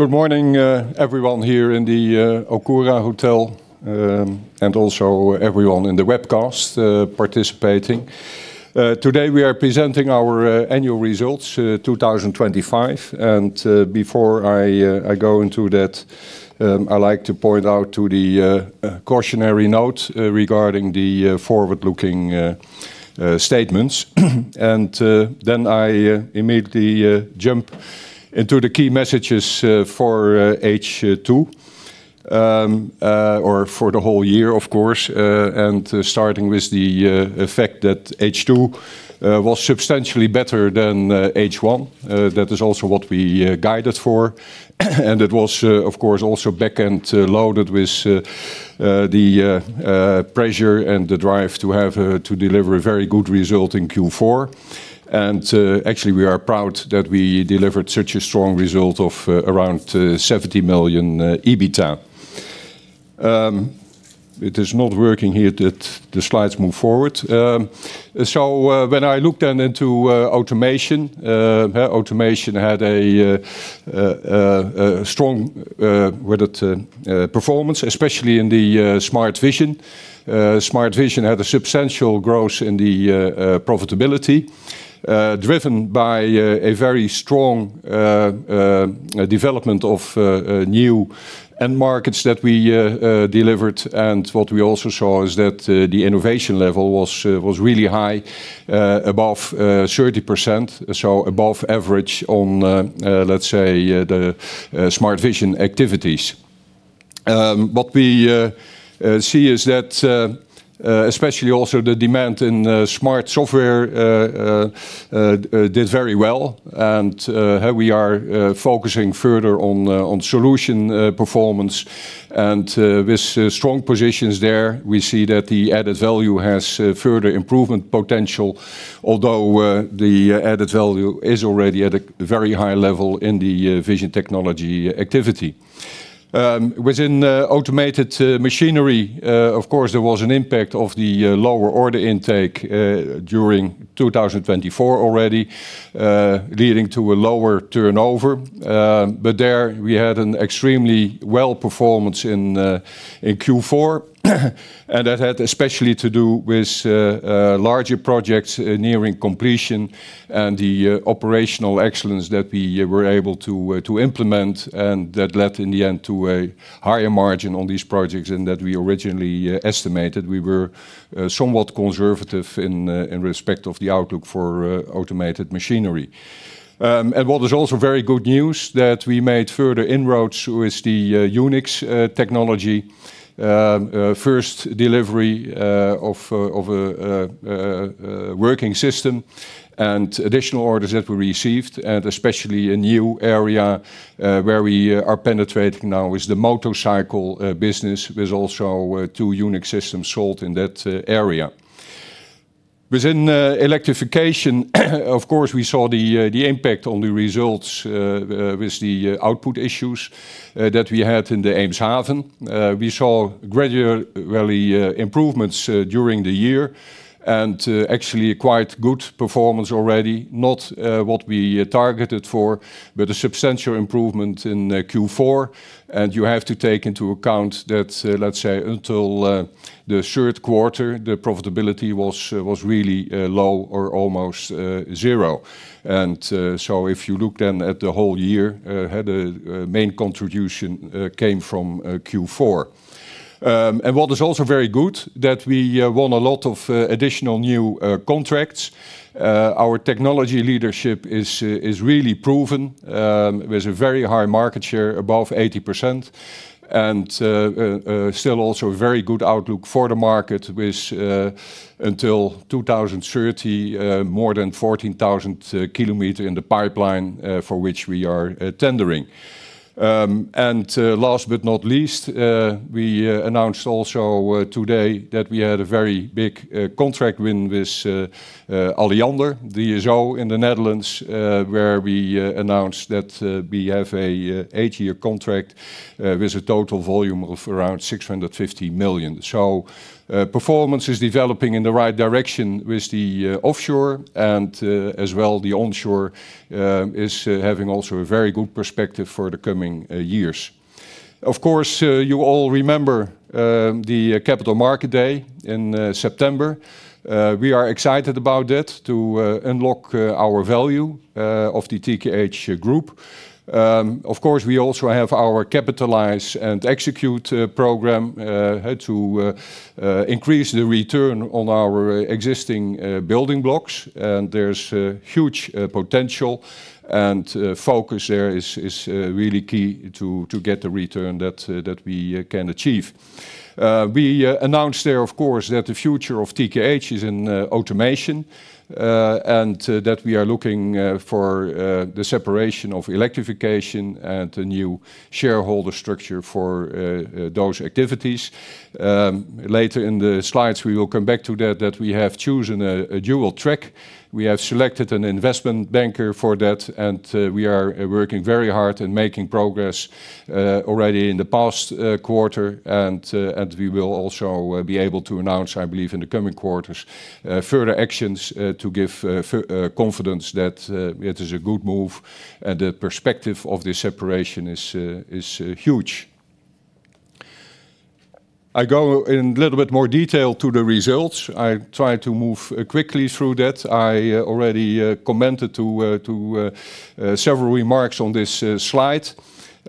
Good morning, everyone here in the Okura Hotel, and also everyone in the webcast participating. Today we are presenting our annual results 2025. Before I go into that, I like to point out to the cautionary note regarding the forward-looking statements. Then I immediately jump into the key messages for H2. For the whole year, of course. Starting with the effect that H2 was substantially better than H1. That is also what we guided for. It was, of course, also backend loaded with the pressure and the drive to deliver a very good result in Q4. Actually, we are proud that we delivered such a strong result of around 70 million EBITDA. It is not working here that the slides move forward. When I looked then into automation had a strong performance, especially in the Smart Vision. Smart Vision had a substantial growth in the profitability, driven by a very strong development of new end markets that we delivered. What we also saw is that the innovation level was really high, above 30%, so above average on, let's say, the Smart Vision activities. What we see is that especially also the demand in smart software did very well. We are focusing further on solution performance. With strong positions there, we see that the added value has further improvement potential, although the added value is already at a very high level in the vision technology activity. Within automated machinery, of course, there was an impact of the lower order intake during 2024 already leading to a lower turnover. There we had an extremely well performance in Q4, and that had especially to do with larger projects nearing completion and the operational excellence that we were able to implement, and that led in the end to a higher margin on these projects than that we originally estimated. We were somewhat conservative in respect of the outlook for automated machinery. What is also very good news that we made further inroads with the UNIXX technology. First delivery of a working system and additional orders that we received, and especially a new area where we are penetrating now is the motorcycle business. There's also two UNIXX systems sold in that area. Within electrification, of course, we saw the impact on the results with the output issues that we had in Amsterdam. We saw gradual, really, improvements during the year and actually a quite good performance already. Not what we targeted for, but a substantial improvement in Q4. You have to take into account that, let's say until the third quarter, the profitability was really low or almost 0. If you look then at the whole year, had a main contribution came from Q4. What is also very good that we won a lot of additional new contracts. Our technology leadership is really proven with a very high market share above 80%. Still also a very good outlook for the market with until 2030, more than 14,000 kilometer in the pipeline for which we are tendering. Last but not least, we announced also today that we had a very big contract win with Liander, the DSO in the Netherlands, where we announced that we have a 8-year contract with a total volume of around 650 million. Performance is developing in the right direction with the offshore and as well, the onshore, is having also a very good perspective for the coming years. Of course, you all remember the Capital Markets Day in September. We are excited about that to unlock our value of the TKH Group. Of course, we also have our Capitalize & Execute program to increase the return on our existing building blocks. There's a huge potential and focus there is really key to get the return that we can achieve. We announced there, of course, that the future of TKH is in automation and that we are looking for the separation of electrification and a new shareholder structure for those activities. Later in the slides, we will come back to that we have chosen a dual track. We have selected an investment banker for that. We are working very hard and making progress. Already in the past quarter, we will also be able to announce, I believe, in the coming quarters, further actions to give confidence that it is a good move and the perspective of the separation is huge. I go in little bit more detail to the results. I try to move quickly through that. I already commented to several remarks on this slide.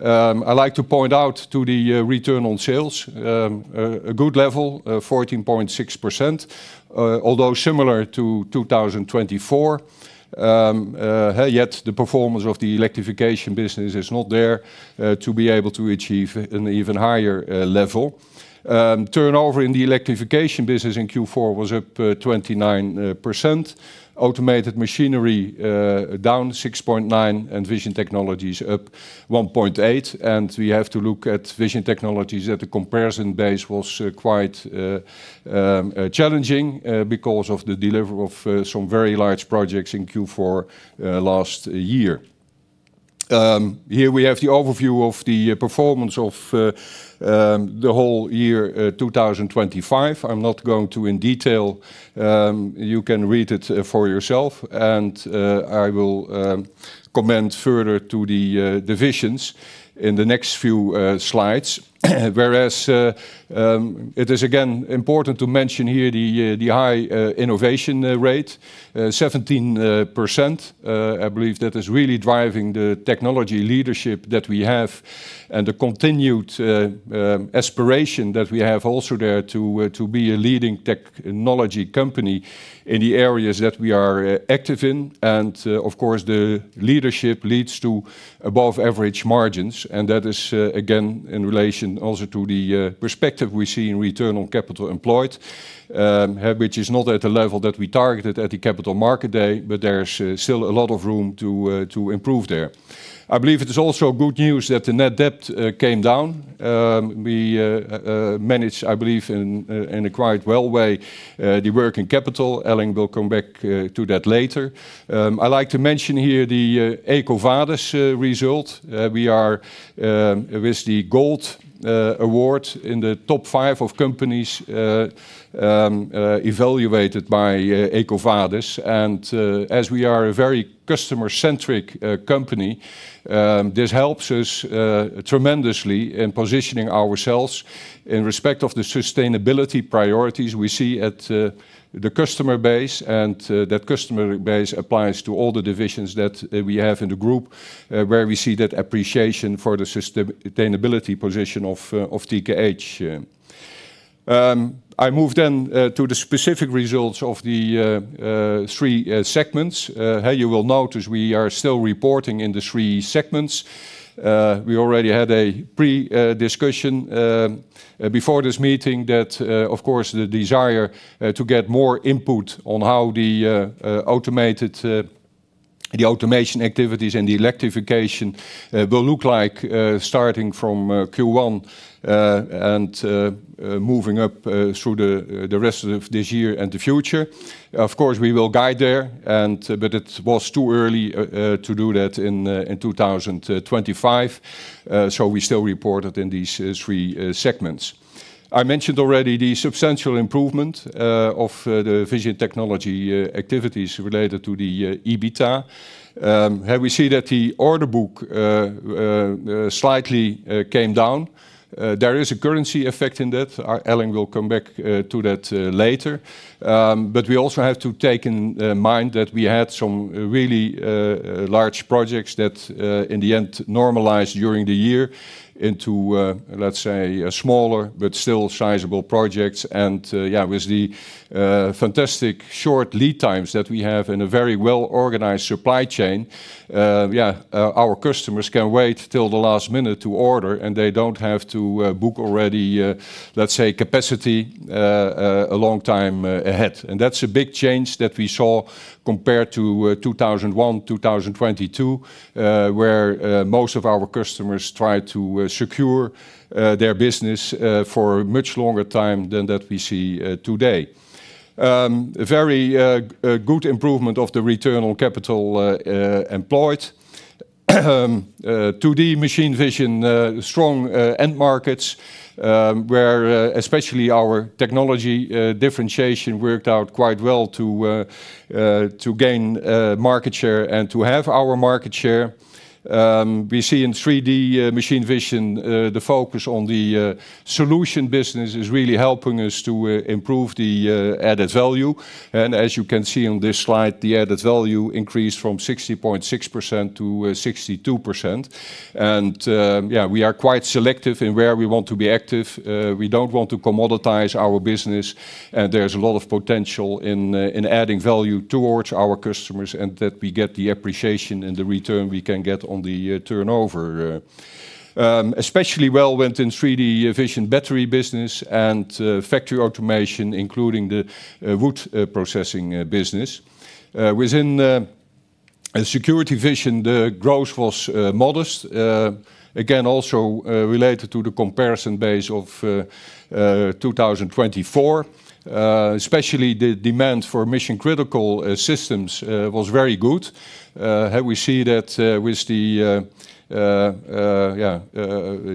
I like to point out to the Return on Sales, a good level, 14.6%. Although similar to 2024, yet the performance of the electrification business is not there to be able to achieve an even higher level. Turnover in the electrification business in Q4 was up 29%. Automated machinery down 6.9%, and vision technologies up 1.8%. We have to look at vision technologies that the comparison base was quite challenging because of the delivery of some very large projects in Q4 last year. Here we have the overview of the performance of the whole year 2025. I'm not going to in detail, you can read it for yourself, and I will comment further to the divisions in the next few slides. Whereas, it is again important to mention here the high innovation rate, 17%. I believe that is really driving the technology leadership that we have and the continued aspiration that we have also there to be a leading technology company in the areas that we are active in. Of course, the leadership leads to above average margins, and that is again in relation also to the perspective we see in Return on Capital Employed, which is not at the level that we targeted at the Capital Markets Day, but there is still a lot of room to improve there. I believe it is also good news that the net debt came down. We managed, I believe, in a quite well way, the working capital. Elling will come back to that later. I like to mention here the EcoVadis result. We are with the Gold award in the top 5 of companies evaluated by EcoVadis. As we are a very customer-centric company, this helps us tremendously in positioning ourselves in respect of the sustainability priorities we see at the customer base, and that customer base applies to all the divisions that we have in the group, where we see that appreciation for the sustainability position of TKH. I move to the specific results of the 3 segments. we are still reporting in the 3 segments. We already had a pre discussion before this meeting that of course the desire to get more input on how the automated the automation activities and the electrification will look like starting from Q1 and moving up through the rest of this year and the future. Of course, we will guide there but it was too early to do that in 2025. So we still report it in these 3 segments. I mentioned already the substantial improvement of the vision technology activities related to the EBITDA. Here we see that the order book slightly came down There is a currency effect in that. Elling will come back to that later. We also have to take in mind that we had some really large projects that in the end normalized during the year into, let's say, smaller but still sizable projects and, with the fantastic short lead times that we have and a very well-organized supply chain, our customers can wait till the last minute to order, and they don't have to book already, let's say, capacity a long time ahead. That's a big change that we saw compared to 2021, 2022, where most of our customers tried to secure their business for a much longer time than that we see today. A very good improvement of the Return on Capital Employed. 2D machine vision, strong end markets, where especially our technology differentiation worked out quite well to gain market share and to have our market share. We see in 3D machine vision, the focus on the solution business is really helping us to improve the added value. As you can see on this slide, the added value increased from 60.6% to 62%. Yeah, we are quite selective in where we want to be active. We don't want to commoditize our business. There's a lot of potential in adding value towards our customers, and that we get the appreciation and the return we can get on the turnover. Especially well went in 3D vision battery business and factory automation, including the wood processing business. Within the security vision, the growth was modest again, also related to the comparison base of 2024. Especially the demand for mission-critical systems was very good. Here we see that, with the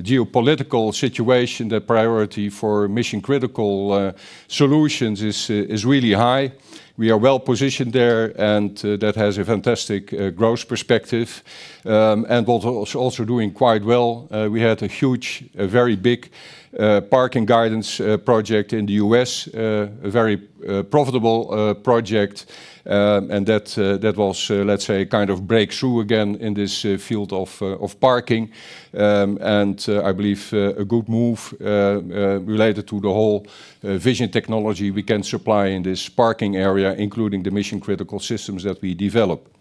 geopolitical situation, the priority for mission-critical solutions is really high. We are well-positioned there, and that has a fantastic growth perspective, and also doing quite well. We had a very big parking guidance project in the U.S., a very profitable project. That was, let's say kind of breakthrough again in this field of parking. I believe a good move related to the whole vision technology we can supply in this parking area, including the mission-critical systems that we develop.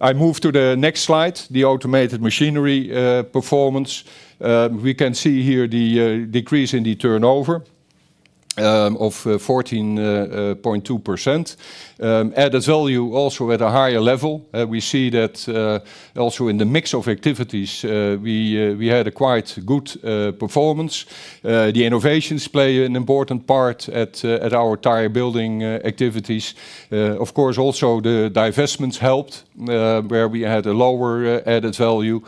I move to the next slide, the automated machinery performance. We can see here the decrease in the turnover of 14%. Added value also at a higher level. We see that also in the mix of activities, we had a quite good performance. The innovations play an important part at our tire building activities. Of course, also the divestments helped where we had a lower added value.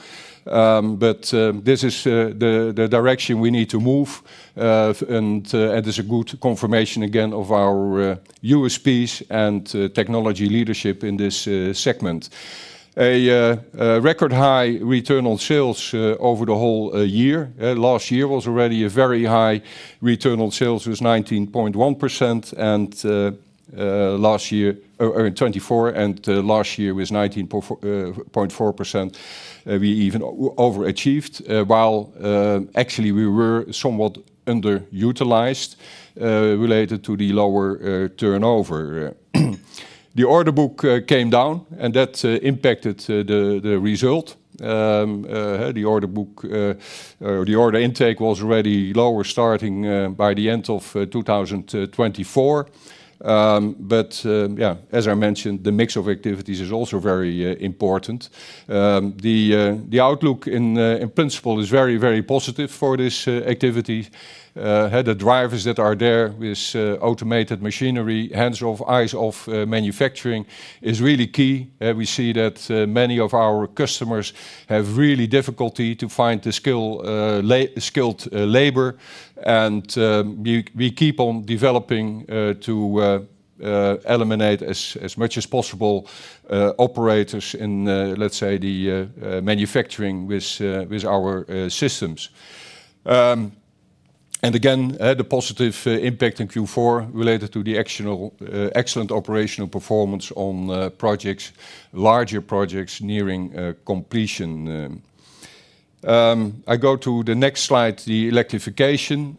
This is the direction we need to move. It's a good confirmation again of our USPs and technology leadership in this segment. Record high Return on Sales over the whole year. Last year was already a very high Return on Sales. It was 19.1% and 2024, and last year was 19.4%. We even overachieved, while actually we were somewhat underutilized, related to the lower turnover. The order book came down, that impacted the result. The order book or the order intake was already lower starting by the end of 2024. As I mentioned, the mix of activities is also very important. The outlook in principle is very, very positive for this activity. The drivers that are there with automated machinery, hands-off, eyes-off manufacturing is really key. We see that many of our customers have really difficulty to find the skilled labor. We keep on developing to eliminate as much as possible operators in let's say the manufacturing with our systems. Again, the positive impact in Q4 related to the excellent operational performance on projects, larger projects nearing completion. I go to the next slide, the electrification.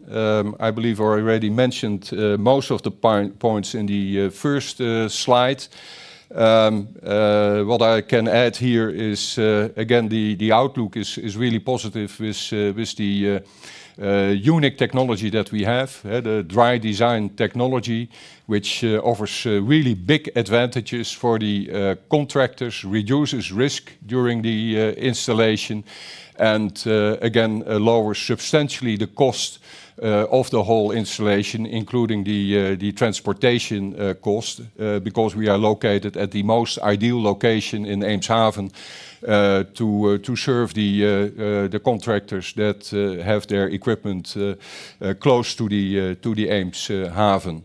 I believe I already mentioned most of the points in the first slide. What I can add here is again, the outlook is really positive with the unique technology that we have. The dry design technology, which offers really big advantages for the contractors, reduces risk during the installation and again, lowers substantially the cost of the whole installation, including the transportation cost, because we are located at the most ideal location in Eemshaven to serve the contractors that have their equipment close to the Eemshaven.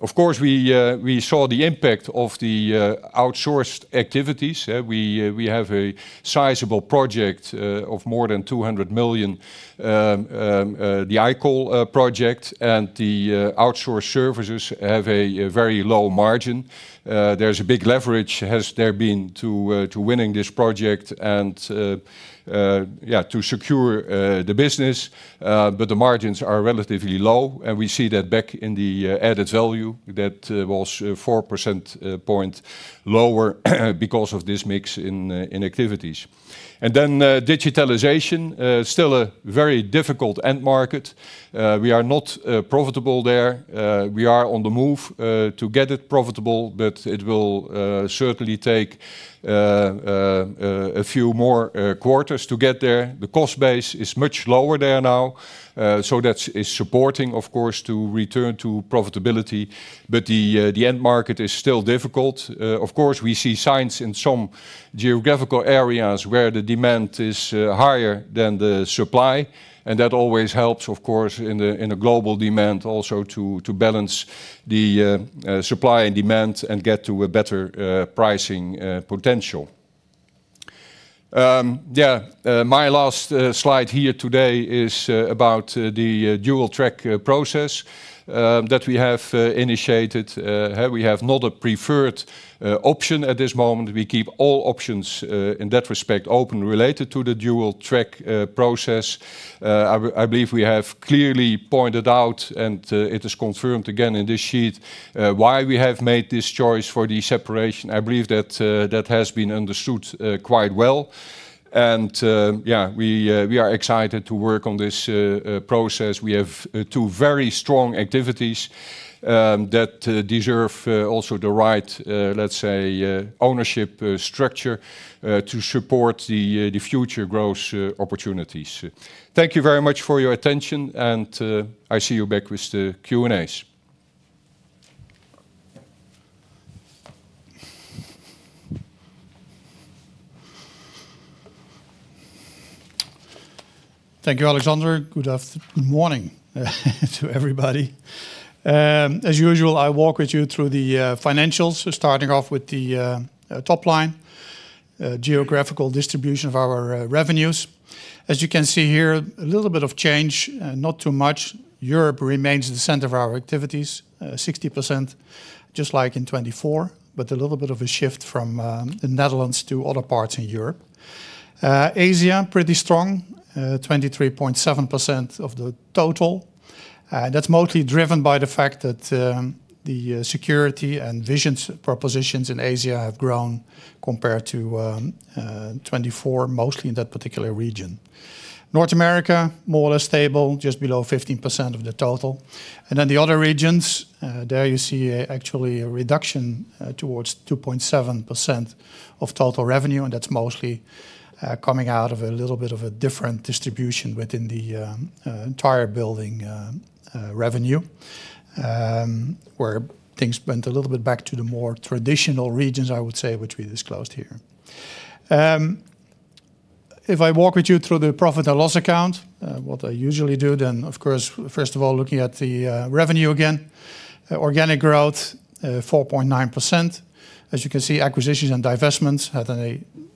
Of course, we saw the impact of the outsourced activities. We have a sizable project of more than 200 million, the IKOL project and the outsourced services have a very low margin. There's a big leverage has there been to winning this project and, yeah, to secure the business, but the margins are relatively low. We see that back in the added value that was 4% point lower because of this mix in activities. Digitalization, still a very difficult end market. We are not profitable there. We are on the move to get it profitable, but it will certainly take a few more quarters to get there. The cost base is much lower there now, that is supporting of course to return to profitability, the end market is still difficult. Of course, we see signs in some geographical areas where the demand is higher than the supply, that always helps of course in the global demand also to balance the supply and demand and get to a better pricing potential. Yeah, my last slide here today is about the dual track process that we have initiated. We have not a preferred option at this moment. We keep all options in that respect open related to the dual track process. I believe we have clearly pointed out, it is confirmed again in this sheet, why we have made this choice for the separation. I believe that has been understood quite well. We are excited to work on this process. We have two very strong activities that deserve also the right, let's say, ownership structure to support the future growth opportunities. Thank you very much for your attention. I see you back with the Q&As. Thank you, Alexander. Good morning to everybody. As usual, I walk with you through the financials, starting off with the top line, geographical distribution of our revenues. As you can see here, a little bit of change, not too much. Europe remains the center of our activities, 60% just like in 2024, but a little bit of a shift from the Netherlands to other parts in Europe. Asia, pretty strong, 23.7% of the total. That's mostly driven by the fact that the security and visions propositions in Asia have grown compared to 2024, mostly in that particular region. North America, more or less stable, just below 15% of the total. The other regions, there you see actually a reduction towards 2.7% of total revenue, and that's mostly coming out of a little bit of a different distribution within the tire building revenue, where things went a little bit back to the more traditional regions, I would say, which we disclosed here. If I walk with you through the profit and loss account, what I usually do, then, of course, first of all, looking at the revenue again. Organic growth, 4.9%. As you can see, acquisitions and divestments had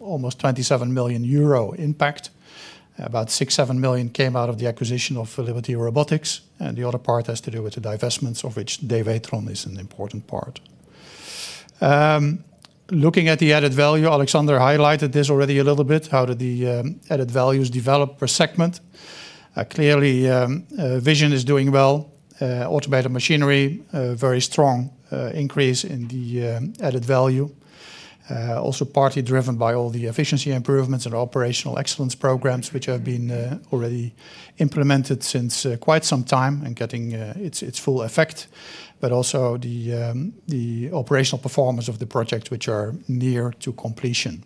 almost 27 million euro impact. About 6 million-7 million came out of the acquisition of Liberty Robotics, and the other part has to do with the divestments of which Davitron is an important part. Looking at the added value, Alexander highlighted this already a little bit, how did the added values develop per segment. Clearly, vision is doing well. Automated machinery, a very strong increase in the added value. Also partly driven by all the efficiency improvements and operational excellence programs which have been already implemented since quite some time and getting its full effect. Also the operational performance of the projects which are near to completion.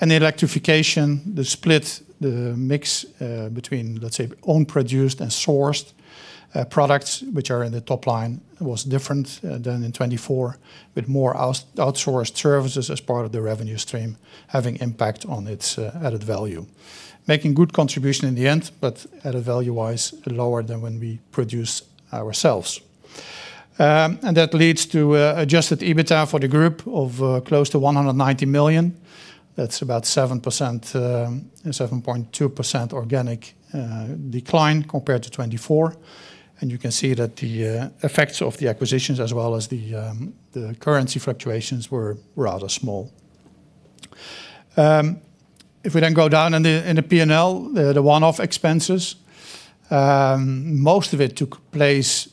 The electrification, the split, the mix between, let's say, own produced and sourced products which are in the top line was different than in 2024, with more outsourced services as part of the revenue stream having impact on its added value. Making good contribution in the end, but added value-wise, lower than when we produce ourselves. That leads to Adjusted EBITDA for the group of close to 190 million. That's about 7%, 7.2% organic decline compared to 2024. You can see that the effects of the acquisitions as well as the currency fluctuations were rather small. If we go down in the P&L, the one-off expenses, most of it took place,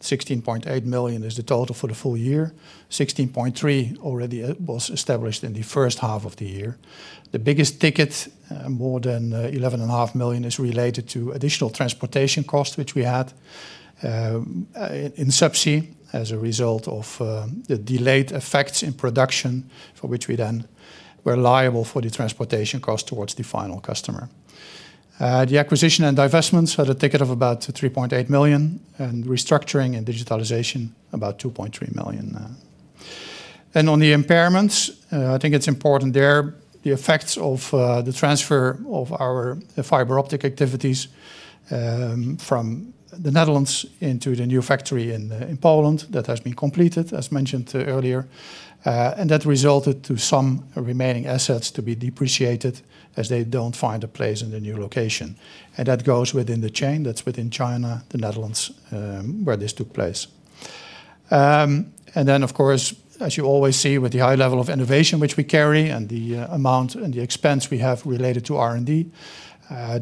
16.8 million is the total for the full year. 16.3 already was established in the first half of the year. The biggest ticket, more than 11.5 million, is related to additional transportation costs, which we had in Subsea as a result of the delayed effects in production, for which we then were liable for the transportation costs towards the final customer. The acquisition and divestments had a ticket of about 3.8 million, and restructuring and digitalization, about 2.3 million. On the impairments, I think it's important there, the effects of the transfer of our fiber optic activities from the Netherlands into the new factory in Poland that has been completed, as mentioned earlier. That resulted to some remaining assets to be depreciated as they don't find a place in the new location. That goes within the chain. That's within China, the Netherlands, where this took place. Then of course, as you always see with the high level of innovation which we carry and the amount and the expense we have related to R&D,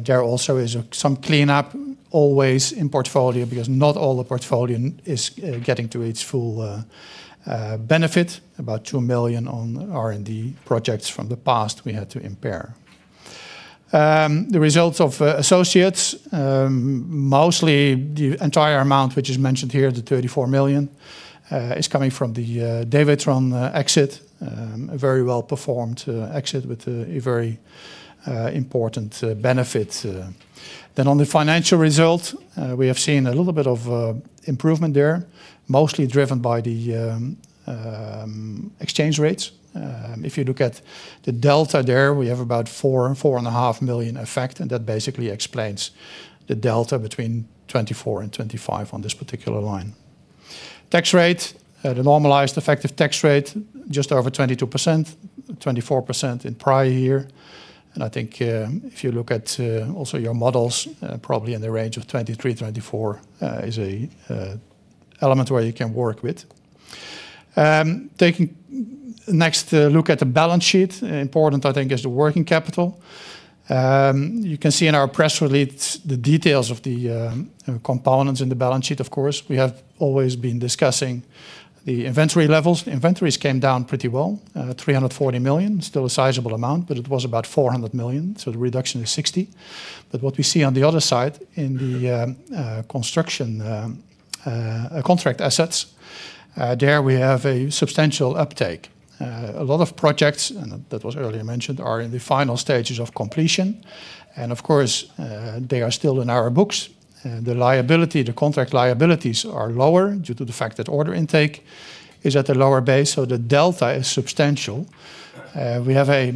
there also is some cleanup always in portfolio because not all the portfolio is getting to its full benefit. About 2 million on R&D projects from the past we had to impair. The results of associates, mostly the entire amount, which is mentioned here, the 34 million, is coming from the Davitron exit. A very well-performed exit with a very important benefit. Then on the financial result, we have seen a little bit of improvement there, mostly driven by the exchange rates. If you look at the delta there, we have about 4, 4.5 million effect, that basically explains the delta between 2024 and 2025 on this particular line. Tax rate, the normalized effective tax rate, just over 22%, 24% in prior year. I think, if you look at also your models, probably in the range of 23%-24% is a element where you can work with. Taking next look at the balance sheet. Important, I think, is the working capital. You can see in our press release the details of the components in the balance sheet, of course. We have always been discussing the inventory levels. Inventories came down pretty well, 340 million. Still a sizable amount, it was about 400 million, so the reduction is 60. What we see on the other side in the construction contract assets. There we have a substantial uptake. A lot of projects, and that was earlier mentioned, are in the final stages of completion. Of course, they are still in our books. The liability, the contract liabilities are lower due to the fact that order intake is at a lower base, so the delta is substantial. We have a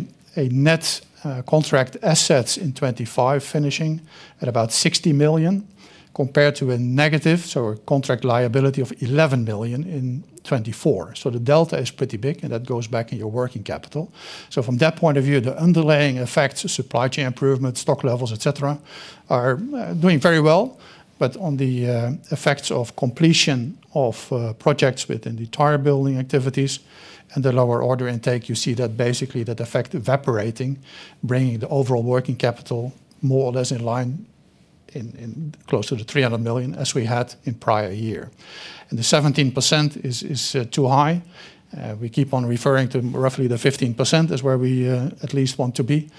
net contract assets in 2025 finishing at about 60 million compared to a negative, so a contract liability of 11 million in 2024. The delta is pretty big, and that goes back in your working capital. From that point of view, the underlying effects, supply chain improvements, stock levels, et cetera, are doing very well. On the effects of completion of projects within the tire building activities and the lower order intake, you see that basically that effect evaporating, bringing the overall working capital more or less in line in closer to 300 million as we had in prior year. The 17% is too high. We keep on referring to roughly the 15% is where we at least want to be.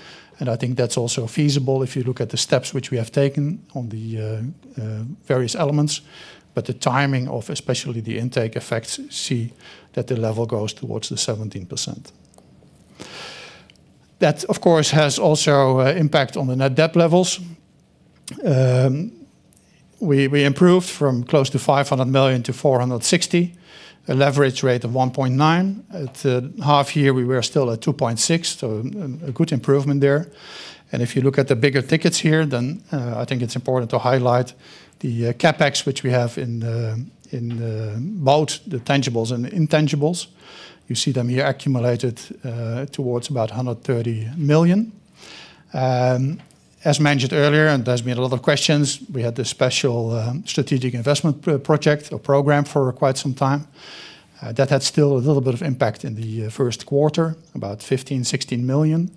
I think that's also feasible if you look at the steps which we have taken on the various elements. The timing of especially the intake effects see that the level goes towards the 17%. That, of course, has also impact on the net debt levels. We improved from close to 500 million to 460, a leverage rate of 1.9. At the half year, we were still at 2.6. A good improvement there. If you look at the bigger tickets here, then I think it's important to highlight the CapEx which we have in both the tangibles and intangibles. You see them here accumulated towards about 130 million. As mentioned earlier, and there's been a lot of questions, we had this special strategic investment project or program for quite some time. That had still a little bit of impact in the first quarter, about 15 million-16 million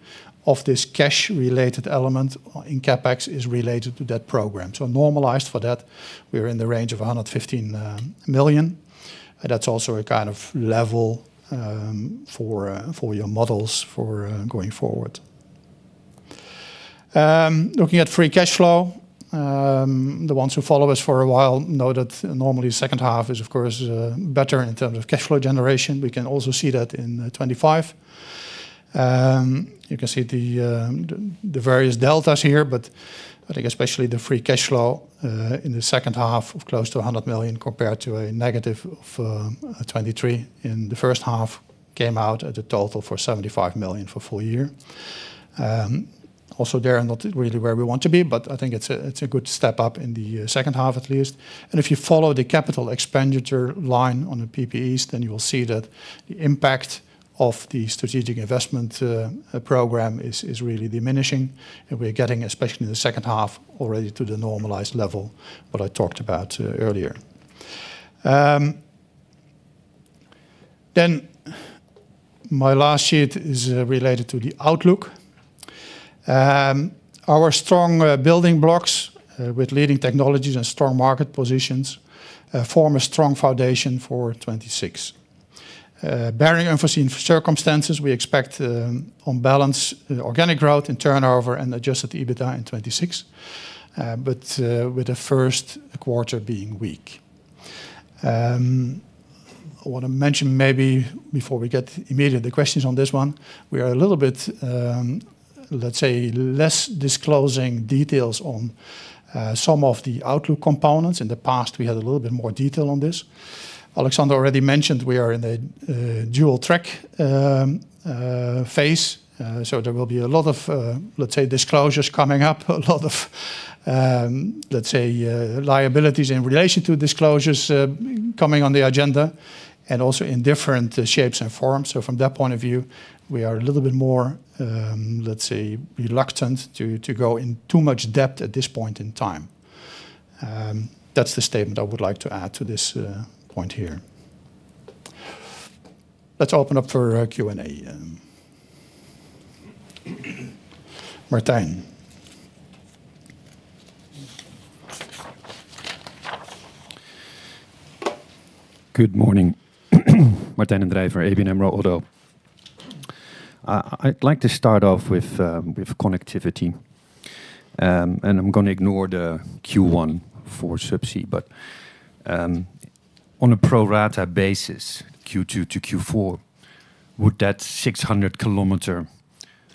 of this cash-related element in CapEx is related to that program. Normalized for that, we're in the range of 115 million. That's also a kind of level for your models for going forward. Looking at free cash flow, the ones who follow us for a while know that normally second half is of course better in terms of cash flow generation. We can also see that in 2025. You can see the various deltas here, but I think especially the free cash flow in the second half of close to 100 million compared to a negative of 23 in the first half came out at a total for 75 million for full year. Also there not really where we want to be, but I think it's a good step up in the second half at least. If you follow the capital expenditure line on the PPEs, then you will see that the impact of the strategic investment program is really diminishing, and we're getting, especially in the second half, already to the normalized level that I talked about earlier. My last sheet is related to the outlook. Our strong building blocks with leading technologies and strong market positions form a strong foundation for 26. Barring unforeseen circumstances, we expect, on balance, organic growth in turnover and Adjusted EBITDA in 26, but with the first quarter being weak. I want to mention maybe before we get immediate the questions on this one, we are a little bit, let's say, less disclosing details on some of the outlook components. In the past, we had a little bit more detail on this. Alexander already mentioned we are in a dual track phase, there will be a lot of, let's say, disclosures coming up, a lot of, let's say, liabilities in relation to disclosures, coming on the agenda and also in different shapes and forms. From that point of view, we are a little bit more, let's say, reluctant to go in too much depth at this point in time. That's the statement I would like to add to this point here. Let's open up for Q&A. Martijn. Good morning, Martijn den Drijver, ABN AMRO-ODDO BHF. I'd like to start off with connectivity. I'm gonna ignore the Q1 for Subsea, but on a pro rata basis, Q2 to Q4, would that 600 km,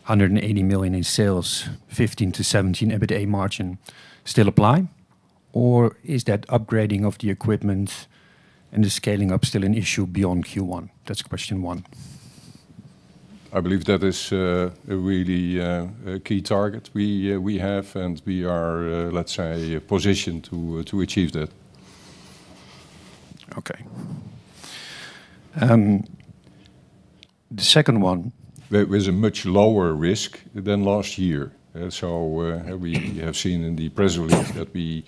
180 million in sales, 15%-17% EBITDA margin still apply? Is that upgrading of the equipment and the scaling up still an issue beyond Q1? That's question one. I believe that is, a really, a key target we have, and we are, let's say, positioned to achieve that. Okay. risk than last year. We have seen in the press release that we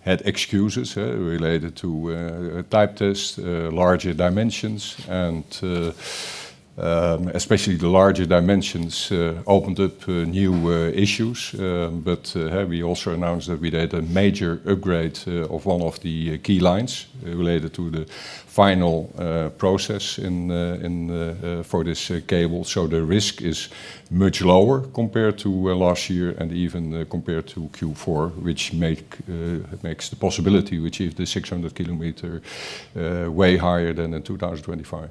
had excuses related to type tests, larger dimensions, and especially the larger dimensions opened up new issues. We also announced that we did a major upgrade of one of the key lines related to the final process for this cable. The risk is much lower compared to last year and even compared to Q4, which makes the possibility to achieve the 600 kilometer way higher than in 2025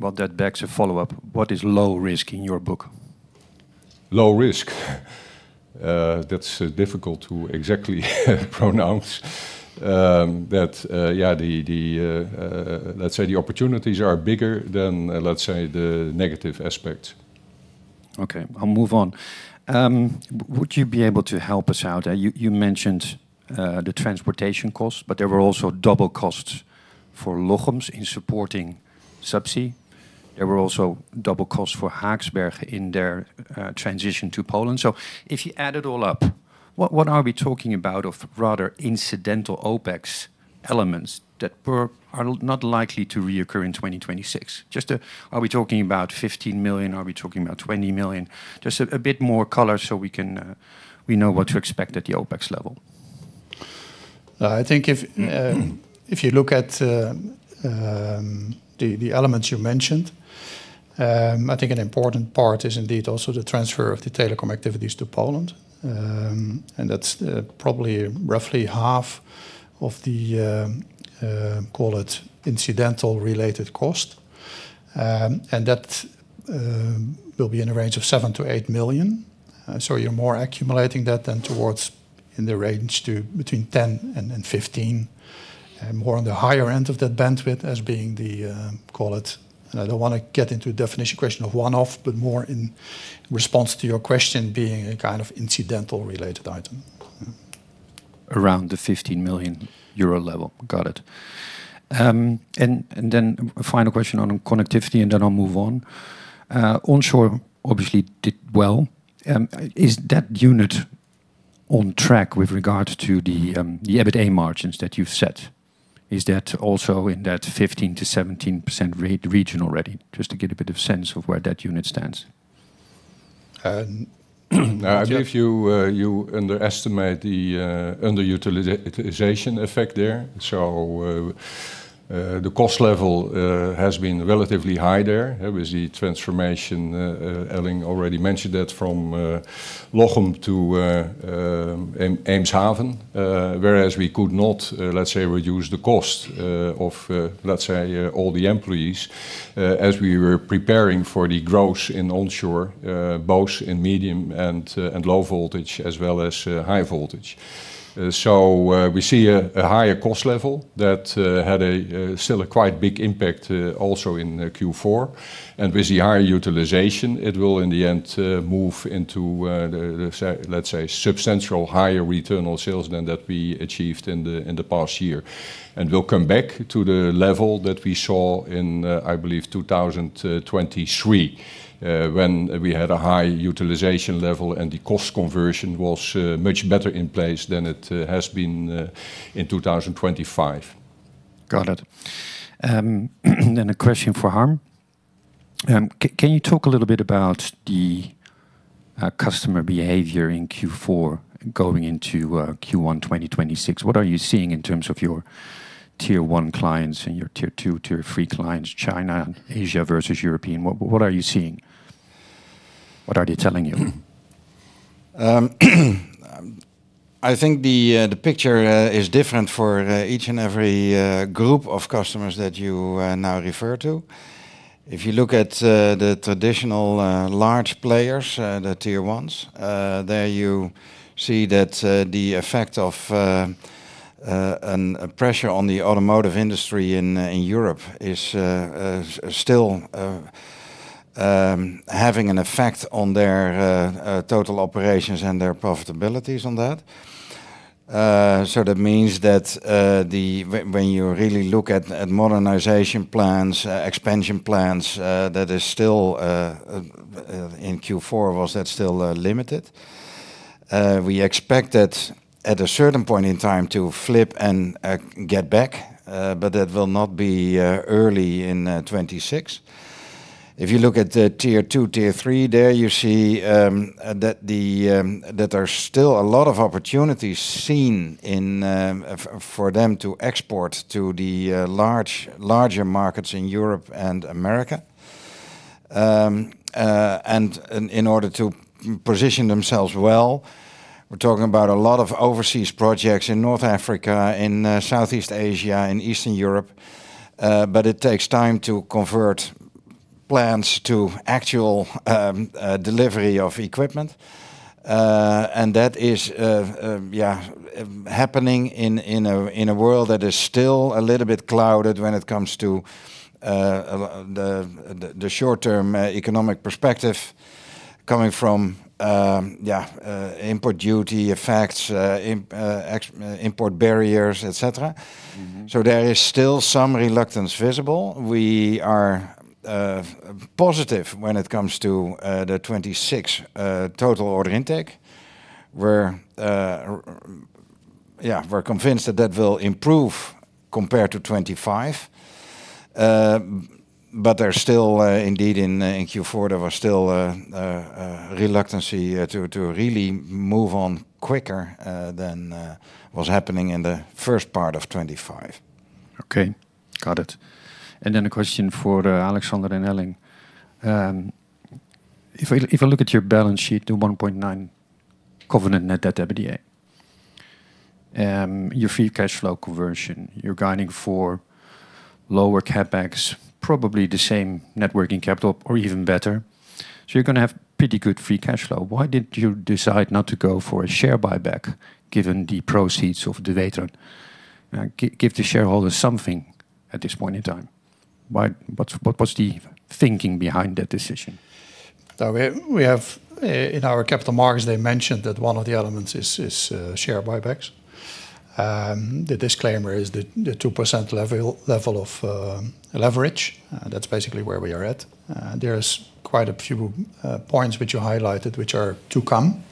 Well, that begs a follow-up. What is low risk in your book? Low risk? That's difficult to exactly pronounce. Yeah, Let's say the opportunities are bigger than, let's say, the negative aspects. Okay, I'll move on. Would you be able to help us out? You mentioned the transportation costs, there were also double costs for Lochem in supporting Subsea. There were also double costs for Haaksbergen in their transition to Poland. If you add it all up, what are we talking about of rather incidental OpEx elements that are not likely to reoccur in 2026? Just, are we talking about 15 million? Are we talking about 20 million? Just a bit more color so we can, we know what to expect at the OpEx level. I think if you look at the elements you mentioned, I think an important part is indeed also the transfer of the telecom activities to Poland. That's probably roughly half of the call it incidental related cost. That will be in a range of 7 million-8 million. So you're more accumulating that than towards in the range to between 10 million and 15 million and more on the higher end of that bandwidth as being the call it. I don't want to get into a definition question of one-off, but more in response to your question being a kind of incidental related item. Around the 15 million euro level. Got it. Then a final question on connectivity, and then I'll move on. Onshore obviously did well. Is that unit on track with regards to the EBITDA margins that you've set? Is that also in that 15%-17% region already? Just to get a bit of sense of where that unit stands. I believe you underestimate the utilization effect there. The cost level has been relatively high there with the transformation, Elling already mentioned that, from Lochem to Eemshaven. Whereas we could not, let's say, reduce the cost of, let's say, all the employees, as we were preparing for the growth in onshore, both in medium and low voltage as well as high voltage. We see a higher cost level that had a still a quite big impact also in Q4. With the higher utilization, it will in the end move into the substantial higher Return on Sales than that we achieved in the past year. We'll come back to the level that we saw in, I believe 2023, when we had a high utilization level and the cost conversion was much better in place than it has been in 2025. Got it. A question for Harm. Can you talk a little bit about the customer behavior in Q4 going into Q1 2026? What are you seeing in terms of your tier one clients and your tier two, tier three clients, China and Asia versus European? What are you seeing? What are they telling you? e is different for each and every group of customers that you now refer to. If you look at the traditional large players, the tier ones, there you see that the effect of a pressure on the automotive industry in Europe is still having an effect on their total operations and their profitabilities on that. That means that when you really look at modernization plans, expansion plans, that is still in Q4, was that still limited. We expect that at a certain point in time to flip and get back, but that will not be early in 2026. If you look at the tier two, tier three, there you see that there are still a lot of opportunities seen in for them to export to the large, larger markets in Europe and America. In order to position themselves well, we're talking about a lot of overseas projects in North Africa, in Southeast Asia, in Eastern Europe, but it takes time to convert plans to actual delivery of equipment. That is yeah, happening in a world that is still a little bit clouded when it comes to the short-term economic perspective coming from yeah, import duty effects, import barriers, etc. There is still some reluctance visible. We are positive when it comes to the 2026 total order intake. We're yeah, we're convinced that that will improve compared to 2025. There's still indeed in Q4, there was still a reluctance to really move on quicker than was happening in the first part of 2025. Okay. Got it. A question for Alexander and Elling. If I look at your balance sheet, the 1.9 covenant net debt/EBITDA. Your free cash flow conversion, you're guiding for lower CapEx, probably the same networking capital or even better. You're gonna have pretty good free cash flow. Why did you decide not to go for a share buyback given the proceeds of Davitron and give the shareholders something at this point in time? What's the thinking behind that decision? We have in our Capital Markets Day mentioned that one of the elements is share buybacks. The disclaimer is the 2% level of leverage. That's basically where we are at. There is quite a few points which you highlighted which are to come.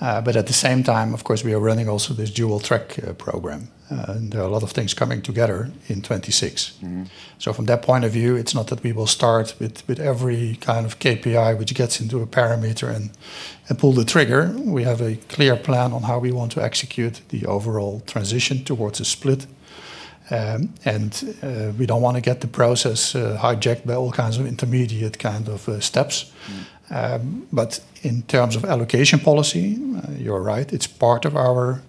At the same time, of course, we are running also this dual track program and a lot of things coming together in 2026. From that point of view, it's not that we will start with every kind of KPI which gets into a parameter and pull the trigger. We have a clear plan on how we want to execute the overall transition towards a split. And we don't wanna get the process hijacked by all kinds of intermediate kind of steps. In terms of allocation policy, you're right, it's part of our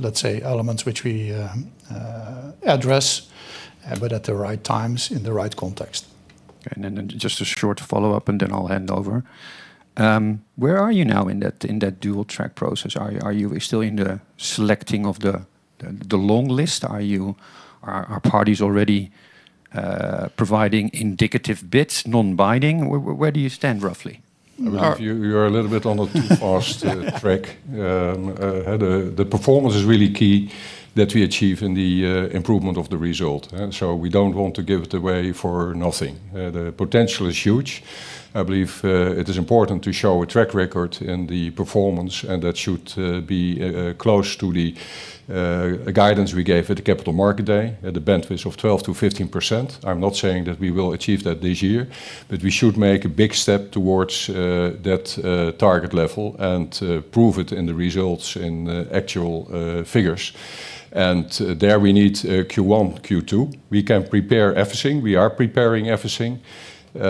let's say elements which we address, but at the right times in the right context. Okay. Then just a short follow-up, and then I'll hand over. Where are you now in that dual-track process? Are you still in the selecting of the long list? Are parties already providing indicative bids, non-binding? Where do you stand roughly? I mean, you're a little bit on a too fast track. The performance is really key that we achieve in the improvement of the result, we don't want to give it away for nothing. The potential is huge. I believe, it is important to show a track record in the performance, that should be close to the guidance we gave at the Capital Markets Day at the benefits of 12%-15%. I'm not saying that we will achieve that this year, we should make a big step towards that target level and prove it in the results in actual figures. There we need Q1, Q2. We can prepare everything. We are preparing everything. We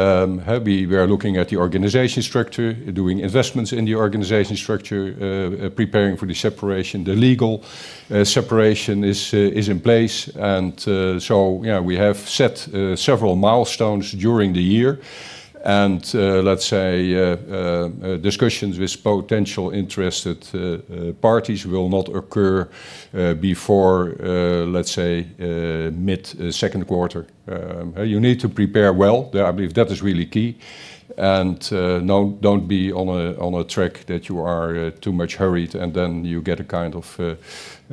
are looking at the organization structure, doing investments in the organization structure, preparing for the separation. The legal separation is in place. Yeah, we have set several milestones during the year. Let's say, discussions with potential interested parties will not occur before let's say mid-second quarter. You need to prepare well. That, I believe is really key. No, don't be on a track that you are too much hurried, and then you get a kind of,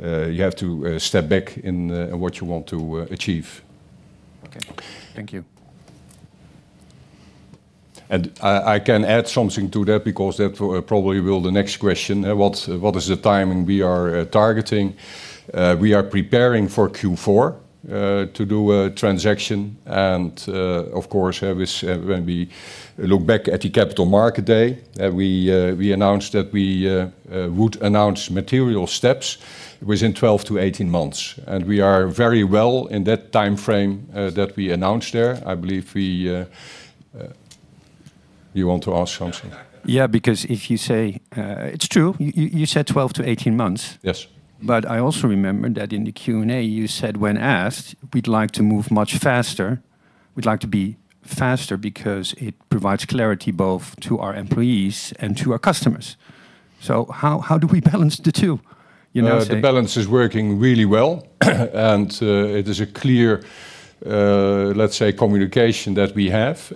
you have to step back in what you want to achieve. Okay. Thank you. I can add something to that because that probably will the next question. What is the timing we are targeting? We are preparing for Q4 to do a transaction. Of course, when we look back at the Capital Markets Day, we announced that we would announce material steps within 12 to 18 months. We are very well in that timeframe that we announced there. I believe we... You want to ask something? Yeah, because if you say, it's true. You said 12 to 18 months. Yes. I also remember that in the Q&A, you said when asked, "We'd like to move much faster. We'd like to be faster because it provides clarity both to our employees and to our customers." How do we balance the two, you know? The balance is working really well, it is a clear, let's say communication that we have.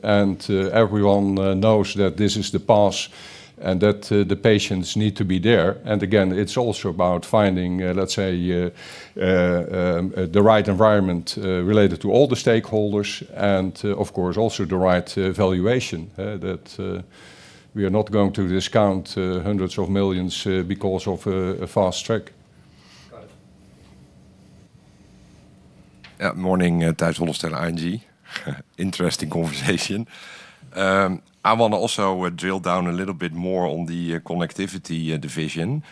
Everyone knows that this is the path and that the patience need to be there. Again, it's also about finding, let's say, the right environment, related to all the stakeholders and, of course, also the right valuation, that we are not going to discount EUR hundreds of millions because of a fast track. Got it. Morning, Tijs Hollestelle, ING. Interesting conversation. I wanna also drill down a little bit more on the connectivity division.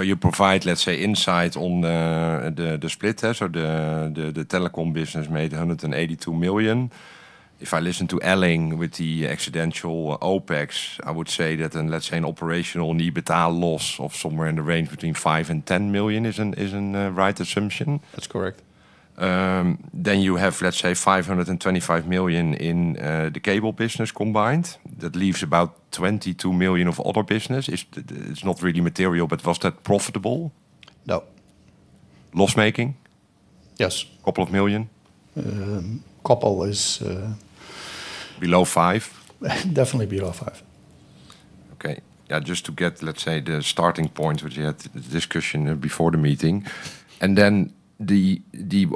You provide, let's say, insight on the split test, or the telecom business made 182 million. If I listen to Elling with the accidental OpEx, I would say that then let's say an operational EBITDA loss of somewhere in the range between 5 million-10 million is an right assumption. That's correct. You have, let's say, 525 million in the cable business combined. That leaves about 22 million of other business. It's not really material, but was that profitable? No. Loss-making? Yes. 2 million? couple is. Below 5? Definitely below 5. Okay. Yeah, just to get, let's say, the starting point which you had the discussion before the meeting.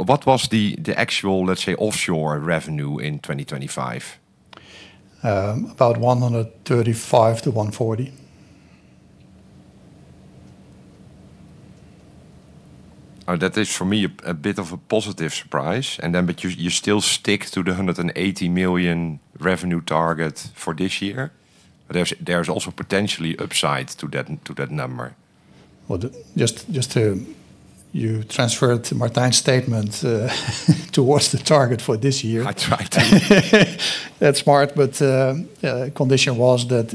What was the actual, let's say, offshore revenue in 2025? about EUR 135-EUR 140. Oh, that is for me a bit of a positive surprise. You still stick to the 180 million revenue target for this year. There's also potentially upside to that number? Well, You transferred Martijn's statement towards the target for this year. I tried to. That's smart, but condition was that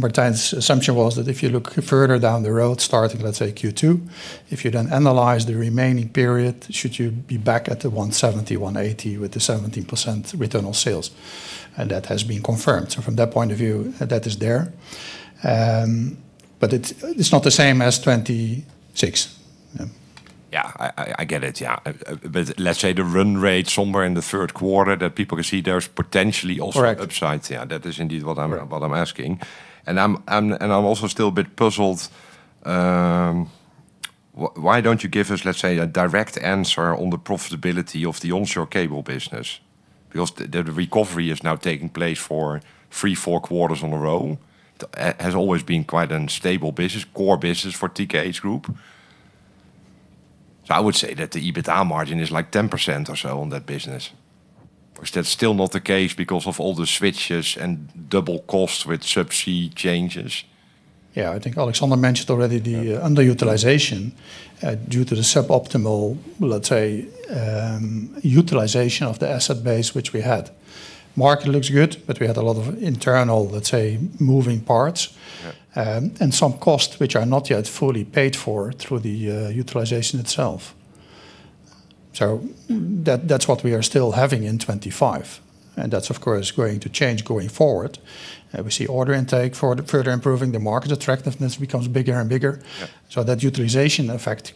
Martijn's assumption was that if you look further down the road, starting, let's say, Q2, if you then analyze the remaining period, should you be back at the 170, 180 with the 70% Return on Sales. That has been confirmed. From that point of view, that is there. It's not the same as 2026. Yeah. I, I get it, yeah. Let's say the run rate somewhere in the third quarter that people can see there's potentially also... Correct... upsides. Yeah. That is indeed what I'm asking. I'm also still a bit puzzled, why don't you give us, let's say, a direct answer on the profitability of the onshore cable business? The recovery is now taking place for three, four quarters on a row. It has always been quite unstable business, core business for TKH Group. I would say that the EBITDA margin is like 10% or so on that business. Of course, that's still not the case because of all the switches and double costs with subsea changes. Yeah. I think Alexander mentioned already the underutilization, due to the suboptimal, let's say, utilization of the asset base, which we had. Market looks good, but we had a lot of internal, let's say, moving parts. Yeah... and some costs which are not yet fully paid for through the utilization itself. That, that's what we are still having in 2025, and that's of course going to change going forward. We see order intake further improving. The market attractiveness becomes bigger and bigger. Yeah. That utilization effect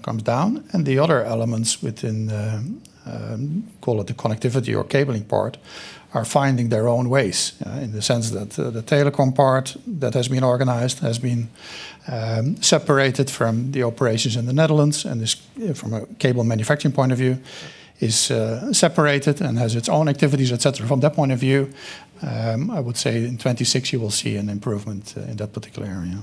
comes down, and the other elements within the, call it the connectivity or cabling part, are finding their own ways, in the sense that the telecom part that has been organized has been, separated from the operations in the Netherlands and is, from a cable manufacturing point of view, is, separated and has its own activities, et cetera. From that point of view, I would say in 2026 you will see an improvement, in that particular area.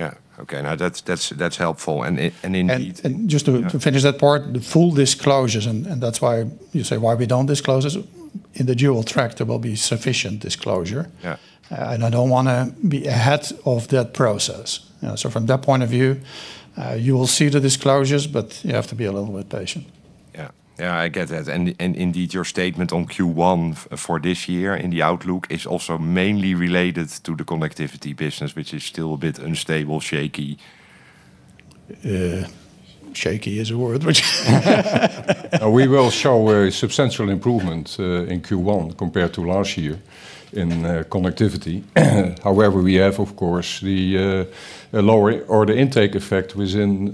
Yeah. Okay. Now that's, that's helpful. indeed- Just to- Yeah... to finish that part, the full disclosures. That's why you say why we don't disclose this. In the dual track, there will be sufficient disclosure. Yeah. I don't wanna be ahead of that process. You know, from that point of view, you will see the disclosures, but you have to be a little bit patient. Yeah. Yeah. I get that. Indeed, your statement on Q1 for this year in the outlook is also mainly related to the connectivity business, which is still a bit unstable, shaky. shaky is a word which We will show a substantial improvement in Q1 compared to last year in connectivity. However, we have, of course, the lower or the intake effect within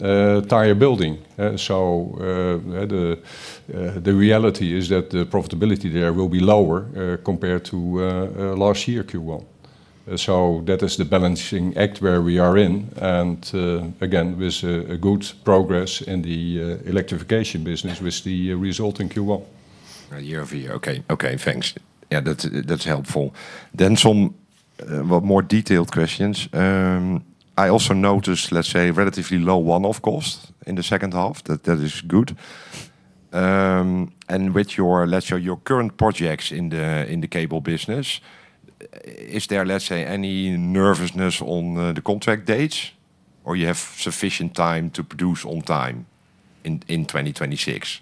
tire building. The reality is that the profitability there will be lower compared to last year Q1. That is the balancing act where we are in. Again, with a good progress in the electrification business with the result in Q1. Year-over-year. Okay. Okay. Thanks. Yeah. That's helpful. Some more detailed questions. I also noticed, let's say, relatively low one-off costs in the second half. That is good. With your, let's say, your current projects in the, in the cable business, is there, let's say, any nervousness on the contract dates, or you have sufficient time to produce on time in 2026?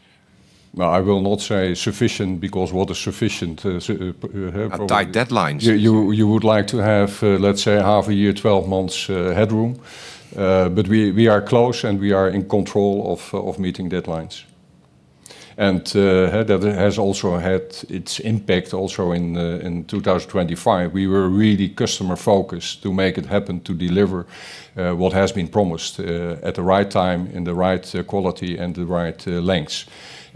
I will not say sufficient because what is sufficient? A tight deadlines. You would like to have, let's say, half a year, 12 months headroom. We are close, and we are in control of meeting deadlines. That has also had its impact also in 2025. We were really customer-focused to make it happen, to deliver what has been promised at the right time, in the right quality and the right lengths.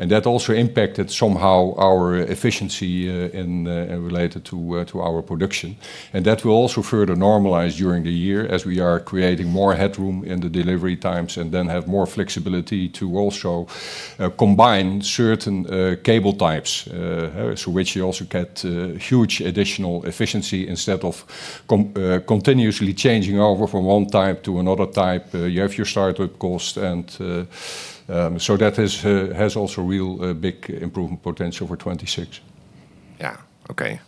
That also impacted somehow our efficiency in related to our production. That will also further normalize during the year as we are creating more headroom in the delivery times and then have more flexibility to also combine certain cable types, through which you also get huge additional efficiency instead of continuously changing over from one type to another type. You have your startup cost and, so that is, has also real, big improvement potential for 2026. Yeah. Okay.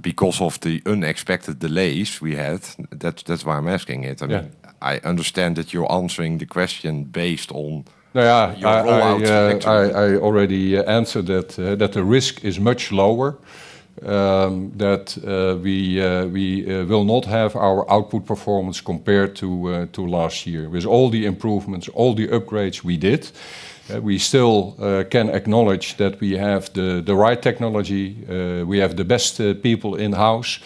Because of the unexpected delays we had, that's why I'm asking it. I mean... Yeah... I understand that you're answering the question based on. No, I.... your rollout effects. I already answered that the risk is much lower, that we will not have our output performance compared to last year. With all the improvements, all the upgrades we did, we still can acknowledge that we have the right technology, we have the best people in-house,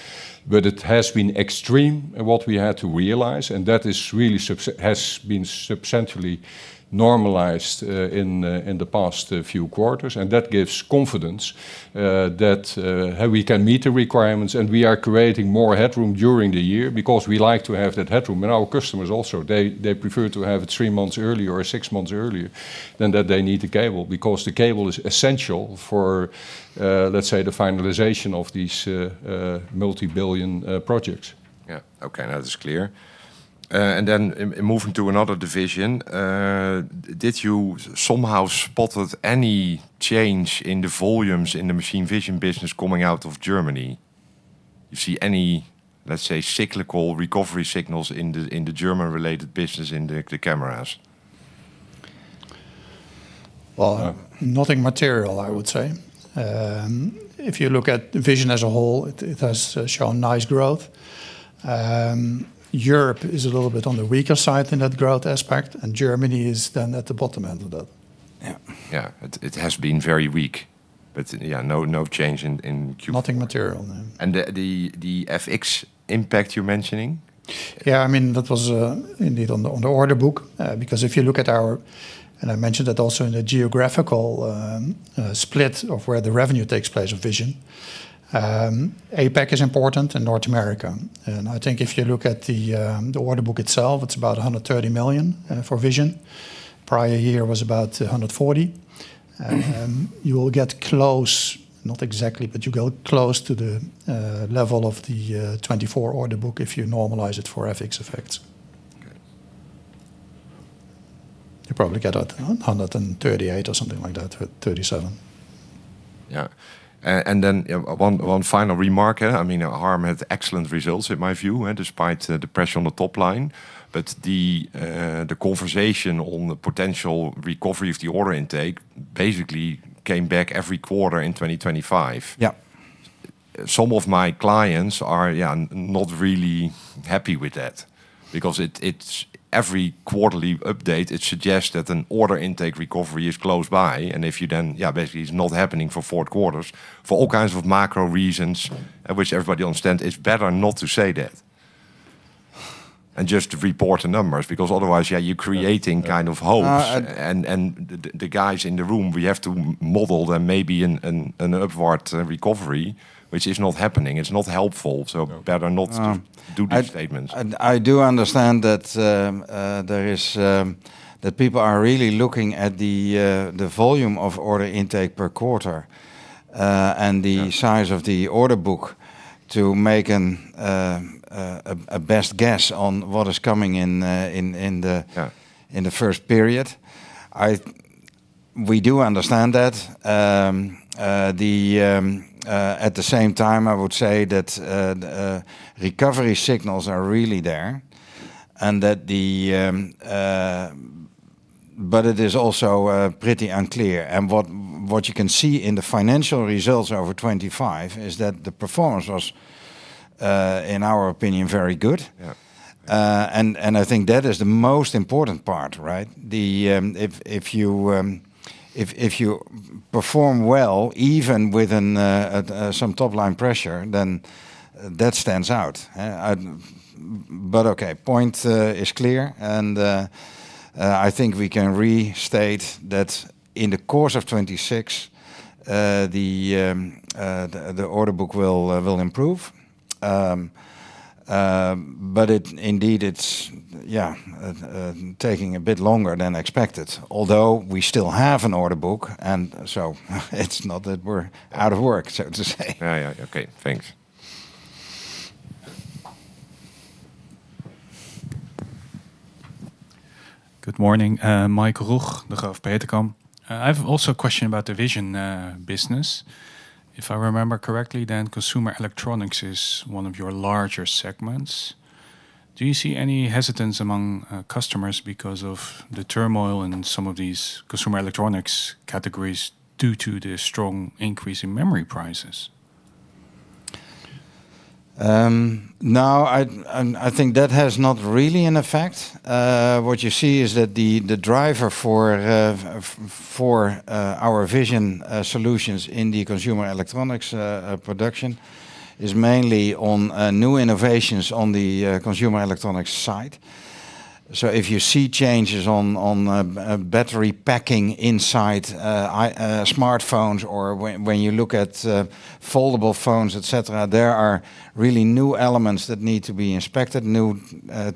but it has been extreme what we had to realize, and that is really has been substantially normalized in the past few quarters. That gives confidence that we can meet the requirements, and we are creating more headroom during the year because we like to have that headroom. Our customers also, they prefer to have it three months earlier or six months earlier than that they need the cable, because the cable is essential for, let's say, the finalization of these multi-billion projects. Yeah. Okay. That is clear. Then moving to another division, did you somehow spotted any change in the volumes in the machine vision business coming out of Germany? You see any, let's say, cyclical recovery signals in the German-related business in the cameras? Well, nothing material, I would say. If you look at Vision as a whole, it has shown nice growth. Europe is a little bit on the weaker side in that growth aspect. Germany is then at the bottom end of that. Yeah. Yeah. It has been very weak, but yeah, no change in Q- Nothing material, no. The FX impact you're mentioning? I mean, that was indeed on the order book. I mentioned that also in the geographical split of where the revenue takes place with Vision, APAC is important and North America. I think if you look at the order book itself, it's about 130 million for Vision. Prior year was about 140 million. You will get close, not exactly, but you go close to the level of the 2024 order book if you normalize it for FX effects. Okay. You probably get, 138 or something like that, or 37. One final remark. I mean, Harm had excellent results in my view, and despite the depression on the top line, but the conversation on the potential recovery of the order intake basically came back every quarter in 2025. Yeah. Some of my clients are, yeah, not really happy with that because it's, every quarterly update, it suggests that an order intake recovery is close by, if you then, yeah, basically it's not happening for four quarters for all kinds of macro reasons, which everybody understands, it's better not to say that and just to report the numbers, otherwise, yeah, you're creating kind of hopes. Uh, I-... the guys in the room, we have to model them maybe in an upward recovery, which is not happening. It's not helpful- No so better not to- Uh- do these statements. I do understand that, there is, that people are really looking at the volume of order intake per quarter. Yeah... and the size of the order book to make a best guess on what is coming in the. Yeah in the first period. We do understand that. At the same time, I would say that the recovery signals are really there and that the. It is also pretty unclear. What you can see in the financial results over 2025 is that the performance was in our opinion, very good. Yeah. I think that is the most important part, right? If you perform well, even with some top-line pressure, then that stands out. Okay, point is clear, I think we can restate that in the course of 2026, the order book will improve. It, indeed, it's taking a bit longer than expected. We still have an order book, it's not that we're out of work, so to say. Yeah, yeah. Okay, thanks. Good morning. Michael Roeg, Degroof Petercam. I've also a question about the Vision business. If I remember correctly, consumer electronics is one of your larger segments. Do you see any hesitance among customers because of the turmoil in some of these consumer electronics categories due to the strong increase in memory prices? No, I think that has not really an effect. What you see is that the driver for our Vision solutions in the consumer electronics production is mainly on new innovations on the consumer electronics side. If you see changes on battery packing inside smartphones or when you look at foldable phones, et cetera, there are really new elements that need to be inspected, new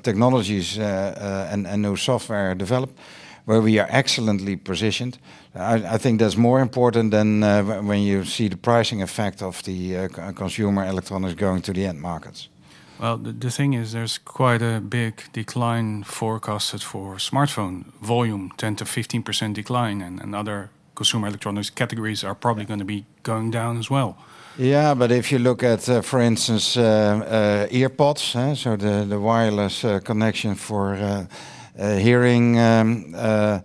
technologies and new software developed, where we are excellently positioned. I think that's more important than when you see the pricing effect of the consumer electronics going to the end markets. The thing is there's quite a big decline forecasted for smartphone volume, 10%-15% decline, and other consumer electronics categories are probably gonna be going down as well. But if you look at, for instance, ear pods, huh? The wireless connection for hearing, that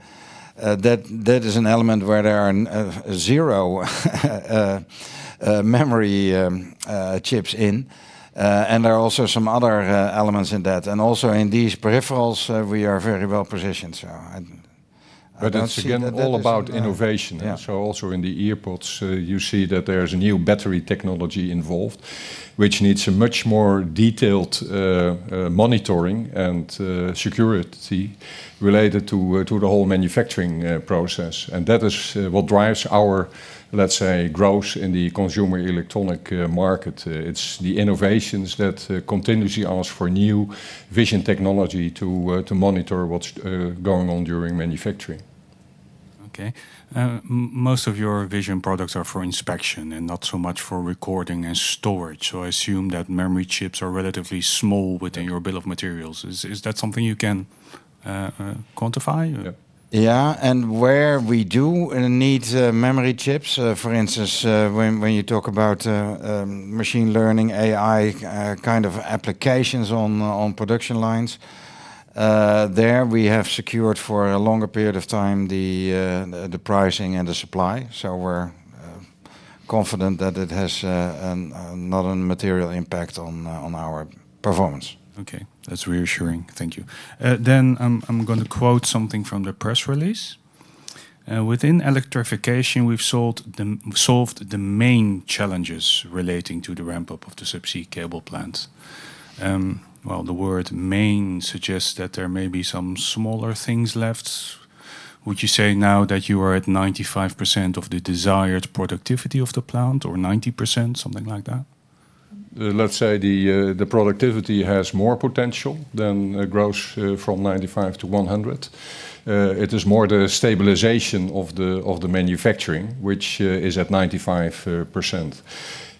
is an element where there are zero memory chips in. There are also some other elements in that. Also in these peripherals, we are very well positioned, so I'm- It's again all about innovation. Yeah. Also in the ear pods, you see that there's new battery technology involved, which needs a much more detailed monitoring and security related to the whole manufacturing process. That is what drives our, let's say, growth in the consumer electronic market. It's the innovations that continuously ask for new vision technology to monitor what's going on during manufacturing. Okay. Most of your Vision products are for inspection and not so much for recording and storage, so I assume that memory chips are relatively small within your bill of materials. Is that something you can quantify? Yeah. Where we do need memory chips, for instance, when you talk about machine learning, AI, kind of applications on production lines, there we have secured for a longer period of time the pricing and the supply. We're confident that it has not a material impact on our performance. Okay. That's reassuring. Thank you. I'm gonna quote something from the press release. "Within electrification, we've solved the main challenges relating to the ramp-up of the subsea cable plant." Well, the word main suggests that there may be some smaller things left. Would you say now that you are at 95% of the desired productivity of the plant or 90%, something like that? Let's say the productivity has more potential than it grows from 95 to 100. It is more the stabilization of the manufacturing, which is at 95%.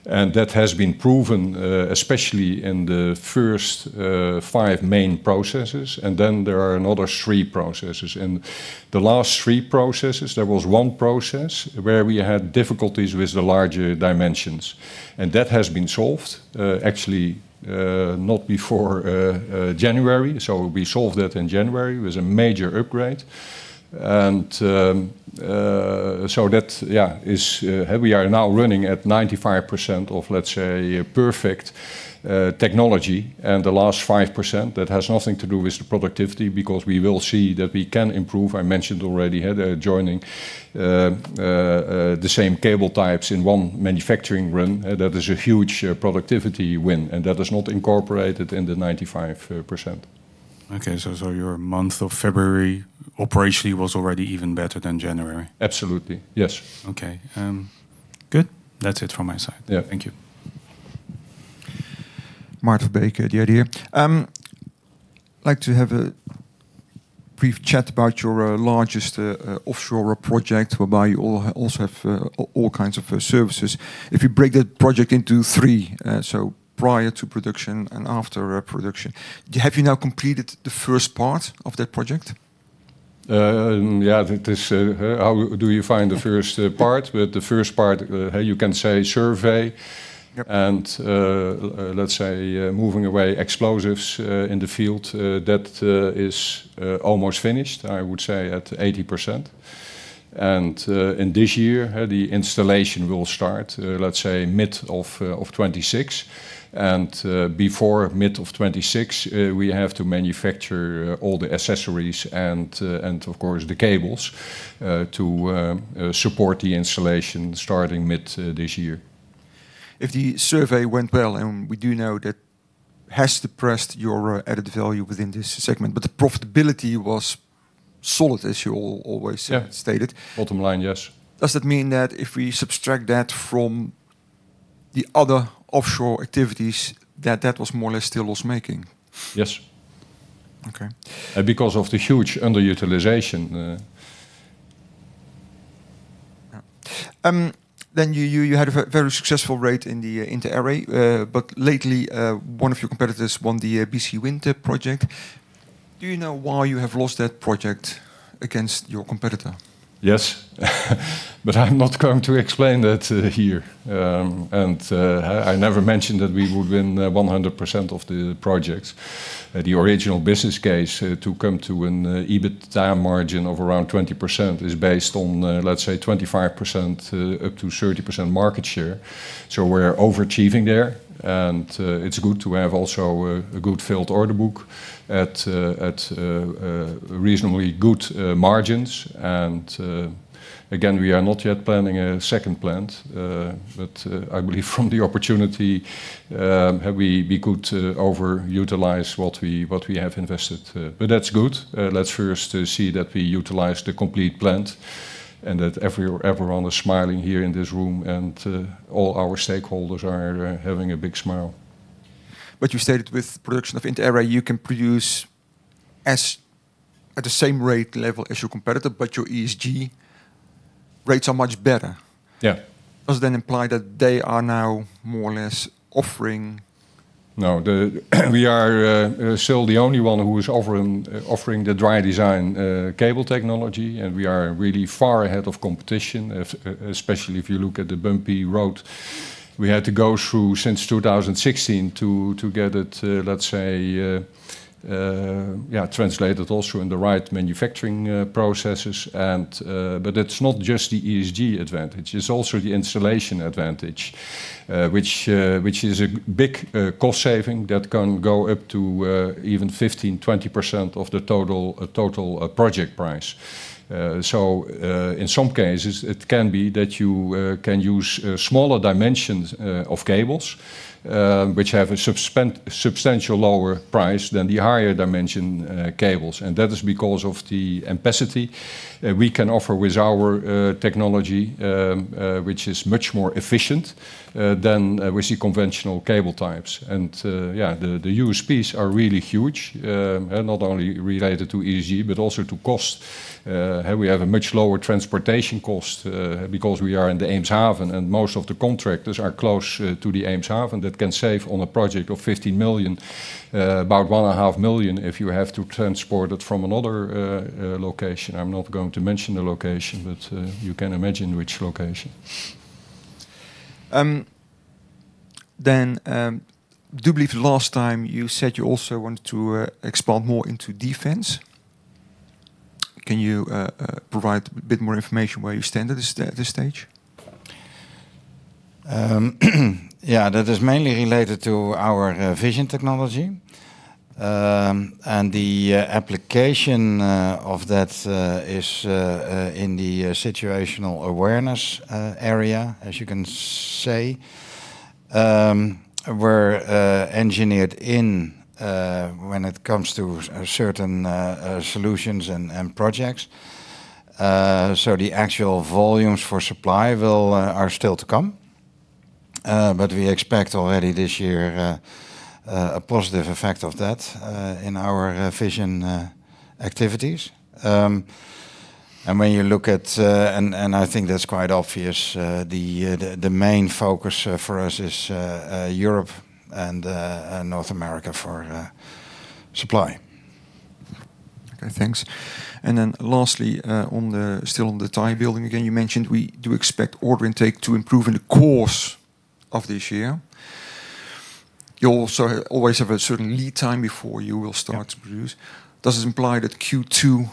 That has been proven especially in the first 5 main processes, and then there are another 3 processes. In the last 3 processes, there was 1 process where we had difficulties with the larger dimensions, and that has been solved actually not before January. So we solved that in January. It was a major upgrade. So that, yeah, is, we are now running at 95% of, let's say, perfect technology. The last 5%, that has nothing to do with the productivity because we will see that we can improve. I mentioned already the joining the same cable types in one manufacturing room. That is a huge productivity win, and that is not incorporated in the 95%. Okay. Your month of February operationally was already even better than January? Absolutely. Yes. Okay. good. That's it from my side. Yeah. Thank you. Maarten Verbeek at the IDEA!. Like to have a brief chat about your largest offshore project whereby you also have all kinds of services. If you break that project into three, prior to production and after production, have you now completed the first part of that project? Yeah, that is. How do you find the first part? The first part, you can say. Yep... moving away explosives in the field that is almost finished. I would say at 80%. In this year, the installation will start mid of 2026. Before mid of 2026, we have to manufacture all the accessories and of course, the cables to support the installation starting mid this year. If the survey went well, and we do know that has depressed your added value within this segment, but the profitability was solid, as you always stated. Yeah. Bottom line, yes. Does that mean that if we subtract that from the other offshore activities, that that was more or less still loss-making? Yes. Okay. Because of the huge underutilization. Yeah. You had a very successful rate in the inter-array. Lately, one of your competitors won the BC Wind project. Do you know why you have lost that project against your competitor? Yes. But I'm not going to explain that here. I never mentioned that we would win 100% of the projects. The original business case to come to an EBITDA margin of around 20% is based on, let's say, 25% up to 30% market share. So we're overachieving there, and it's good to have also a good filled order book at reasonably good margins. Again, we are not yet planning a second plant. But I believe from the opportunity, we could overutilize what we have invested. But that's good. Let's first see that we utilize the complete plant and that everyone is smiling here in this room and all our stakeholders are having a big smile. You stated with production of inter-array, you can produce at the same rate level as your competitor, but your ESG rates are much better. Yeah. Does that imply that they are now more or less? No. We are still the only one who is offering the dry design cable technology, and we are really far ahead of competition, especially if you look at the bumpy road we had to go through since 2016 to get it, let's say, Yeah, translated also in the right manufacturing processes. It's not just the ESG advantage, it's also the installation advantage, which is a big cost saving that can go up to even 15%-20% of the total project price. In some cases, it can be that you can use smaller dimensions of cables, which have a substantial lower price than the higher dimension cables. That is because of the ampacity we can offer with our technology, which is much more efficient than we see conventional cable types. Yeah, the USPs are really huge, not only related to ESG, but also to cost. We have a much lower transportation cost because we are in the Eemshaven, and most of the contractors are close to the Eemshaven. That can save on a project of 50 million, about one and a half million if you have to transport it from another location. I'm not going to mention the location, but you can imagine which location. Do believe last time you said you also wanted to expand more into defense. Can you provide a bit more information where you stand at this stage? Yeah, that is mainly related to our vision technology. And the application of that is in the situational awareness area, as you can say. We're engineered in when it comes to certain solutions and projects. The actual volumes for supply are still to come. We expect already this year a positive effect of that in our vision activities. When you look at, and I think that's quite obvious, the main focus for us is Europe and North America for supply. Okay, thanks. Lastly, still on the TKH building, again, you mentioned we do expect order intake to improve in the course of this year. You also always have a certain lead time before you will start to produce. Yeah. Does this imply that Q2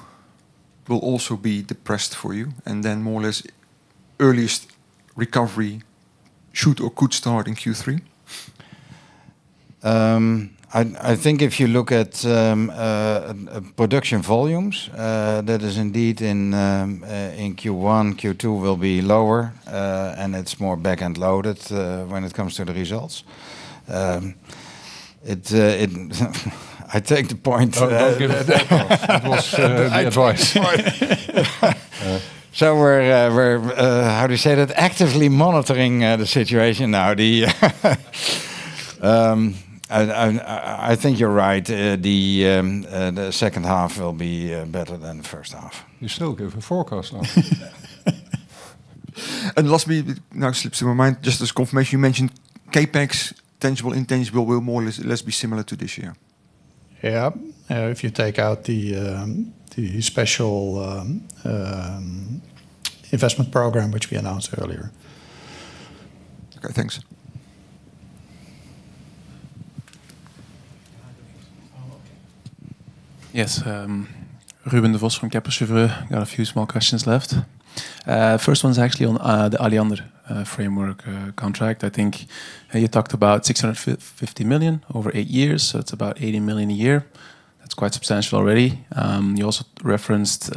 will also be depressed for you, and then more or less earliest recovery should or could start in Q3? I think if you look at production volumes, that is indeed in Q1, Q2 will be lower. It's more back-end loaded when it comes to the results. I take the point. Oh, don't give a forecast. It was the advice. Sorry. We're, how do you say that? Actively monitoring the situation now. I think you're right. The second half will be better than the first half. You still give a forecast now. Lastly, now it slips my mind, just as confirmation, you mentioned CapEx tangible and intangible will more or less be similar to this year. Yeah. If you take out the special investment program, which we announced earlier. Okay, thanks. Yes. Ruben Devos from Kepler Cheuvreux. Got a few small questions left. First one's actually on the Liander framework contract. I think you talked about 650 million over 8 years, so it's about 80 million a year. That's quite substantial already. You also referenced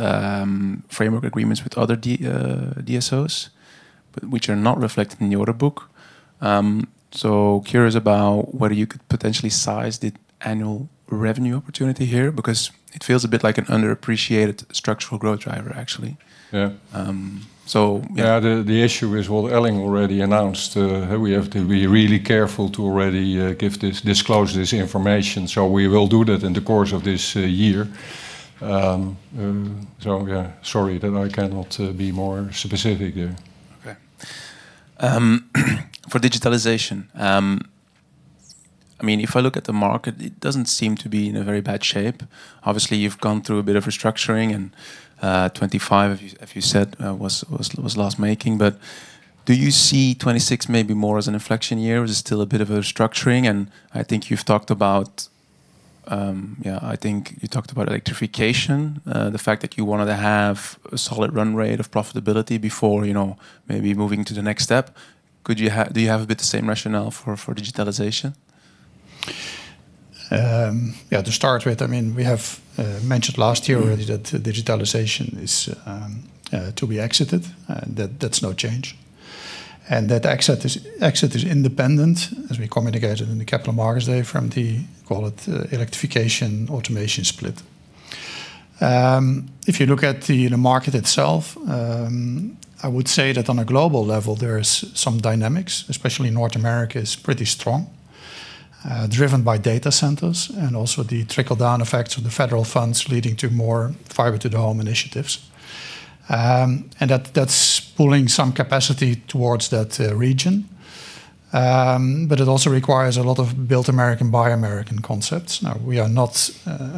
framework agreements with other DSOs, but which are not reflected in the order book. Curious about whether you could potentially size the annual revenue opportunity here, because it feels a bit like an underappreciated structural growth driver, actually. Yeah. Um, so- The, the issue is what Elling already announced. We have to be really careful to already give this, disclose this information. We will do that in the course of this year. Yeah, sorry that I cannot be more specific there. Okay. I mean, if I look at the market, it doesn't seem to be in a very bad shape. Obviously, you've gone through a bit of restructuring and 2025, if you said, was loss-making. Do you see 2026 maybe more as an inflection year? Is it still a bit of a restructuring? I think you've talked about, yeah, I think you talked about electrification, the fact that you wanted to have a solid run rate of profitability before, you know, maybe moving to the next step. Do you have a bit the same rationale for digitalization? Yeah. To start with, I mean, we have mentioned last year already that digitalization is to be exited, that's no change. That exit is independent, as we communicated in the Capital Markets Day, from the, call it, electrification automation split. If you look at the market itself, I would say that on a global level, there is some dynamics, especially in North America, it's pretty strong, driven by data centers and also the trickle-down effects of the federal funds leading to more Fiber to the Home initiatives. That's pulling some capacity towards that region. It also requires a lot of Build America, Buy America concepts. Now, we are not,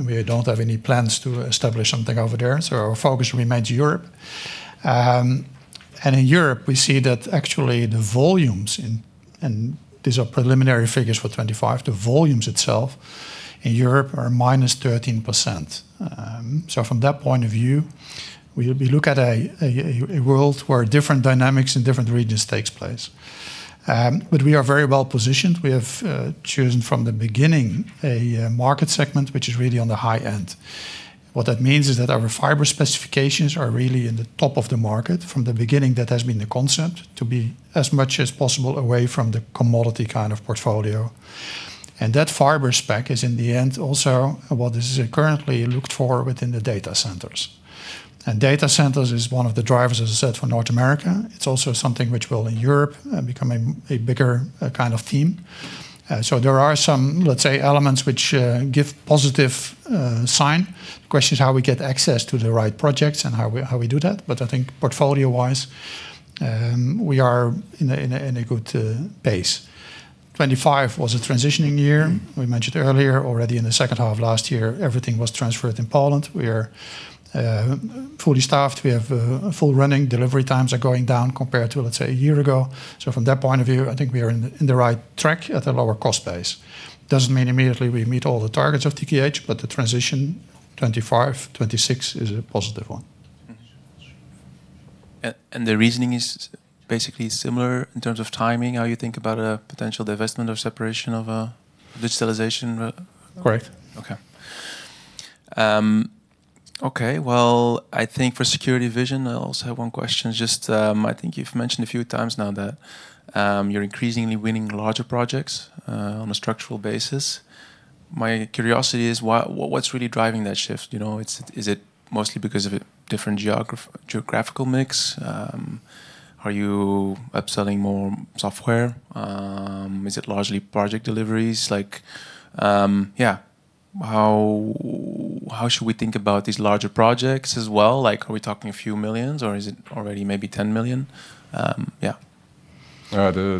we don't have any plans to establish something over there, so our focus remains Europe. In Europe, we see that actually the volumes in, and these are preliminary figures for 2025, the volumes itself in Europe are minus 13%. From that point of view, we look at a world where different dynamics in different regions takes place. We are very well-positioned. We have chosen from the beginning a market segment which is really on the high end. What that means is that our fiber specifications are really in the top of the market. From the beginning, that has been the concept, to be as much as possible away from the commodity kind of portfolio. That fiber spec is, in the end, also what is currently looked for within the data centers. Data centers is one of the drivers, as I said, for North America. It's also something which will in Europe become a bigger kind of theme. There are some, let's say, elements which give positive sign. The question is how we get access to the right projects and how we do that. I think portfolio-wise, we are in a good base. 25 was a transitioning year. We mentioned earlier already in the second half of last year, everything was transferred in Poland. We are fully staffed. We have full running. Delivery times are going down compared to, let's say, a year ago. From that point of view, I think we are in the right track at a lower cost base. Doesn't mean immediately we meet all the targets of TKH, but the transition 2025, 2026 is a positive one. The reasoning is basically similar in terms of timing, how you think about a potential divestment or separation of digitalization. Correct. Okay. Okay. Well, I think for Security Vision, I also have one question. Just, I think you've mentioned a few times now that you're increasingly winning larger projects on a structural basis. My curiosity is what's really driving that shift, you know? Is it mostly because of a different geographical mix? Are you upselling more software? Is it largely project deliveries? Like, yeah. How should we think about these larger projects as well? Like, are we talking a few million, or is it already maybe 10 million? Yeah.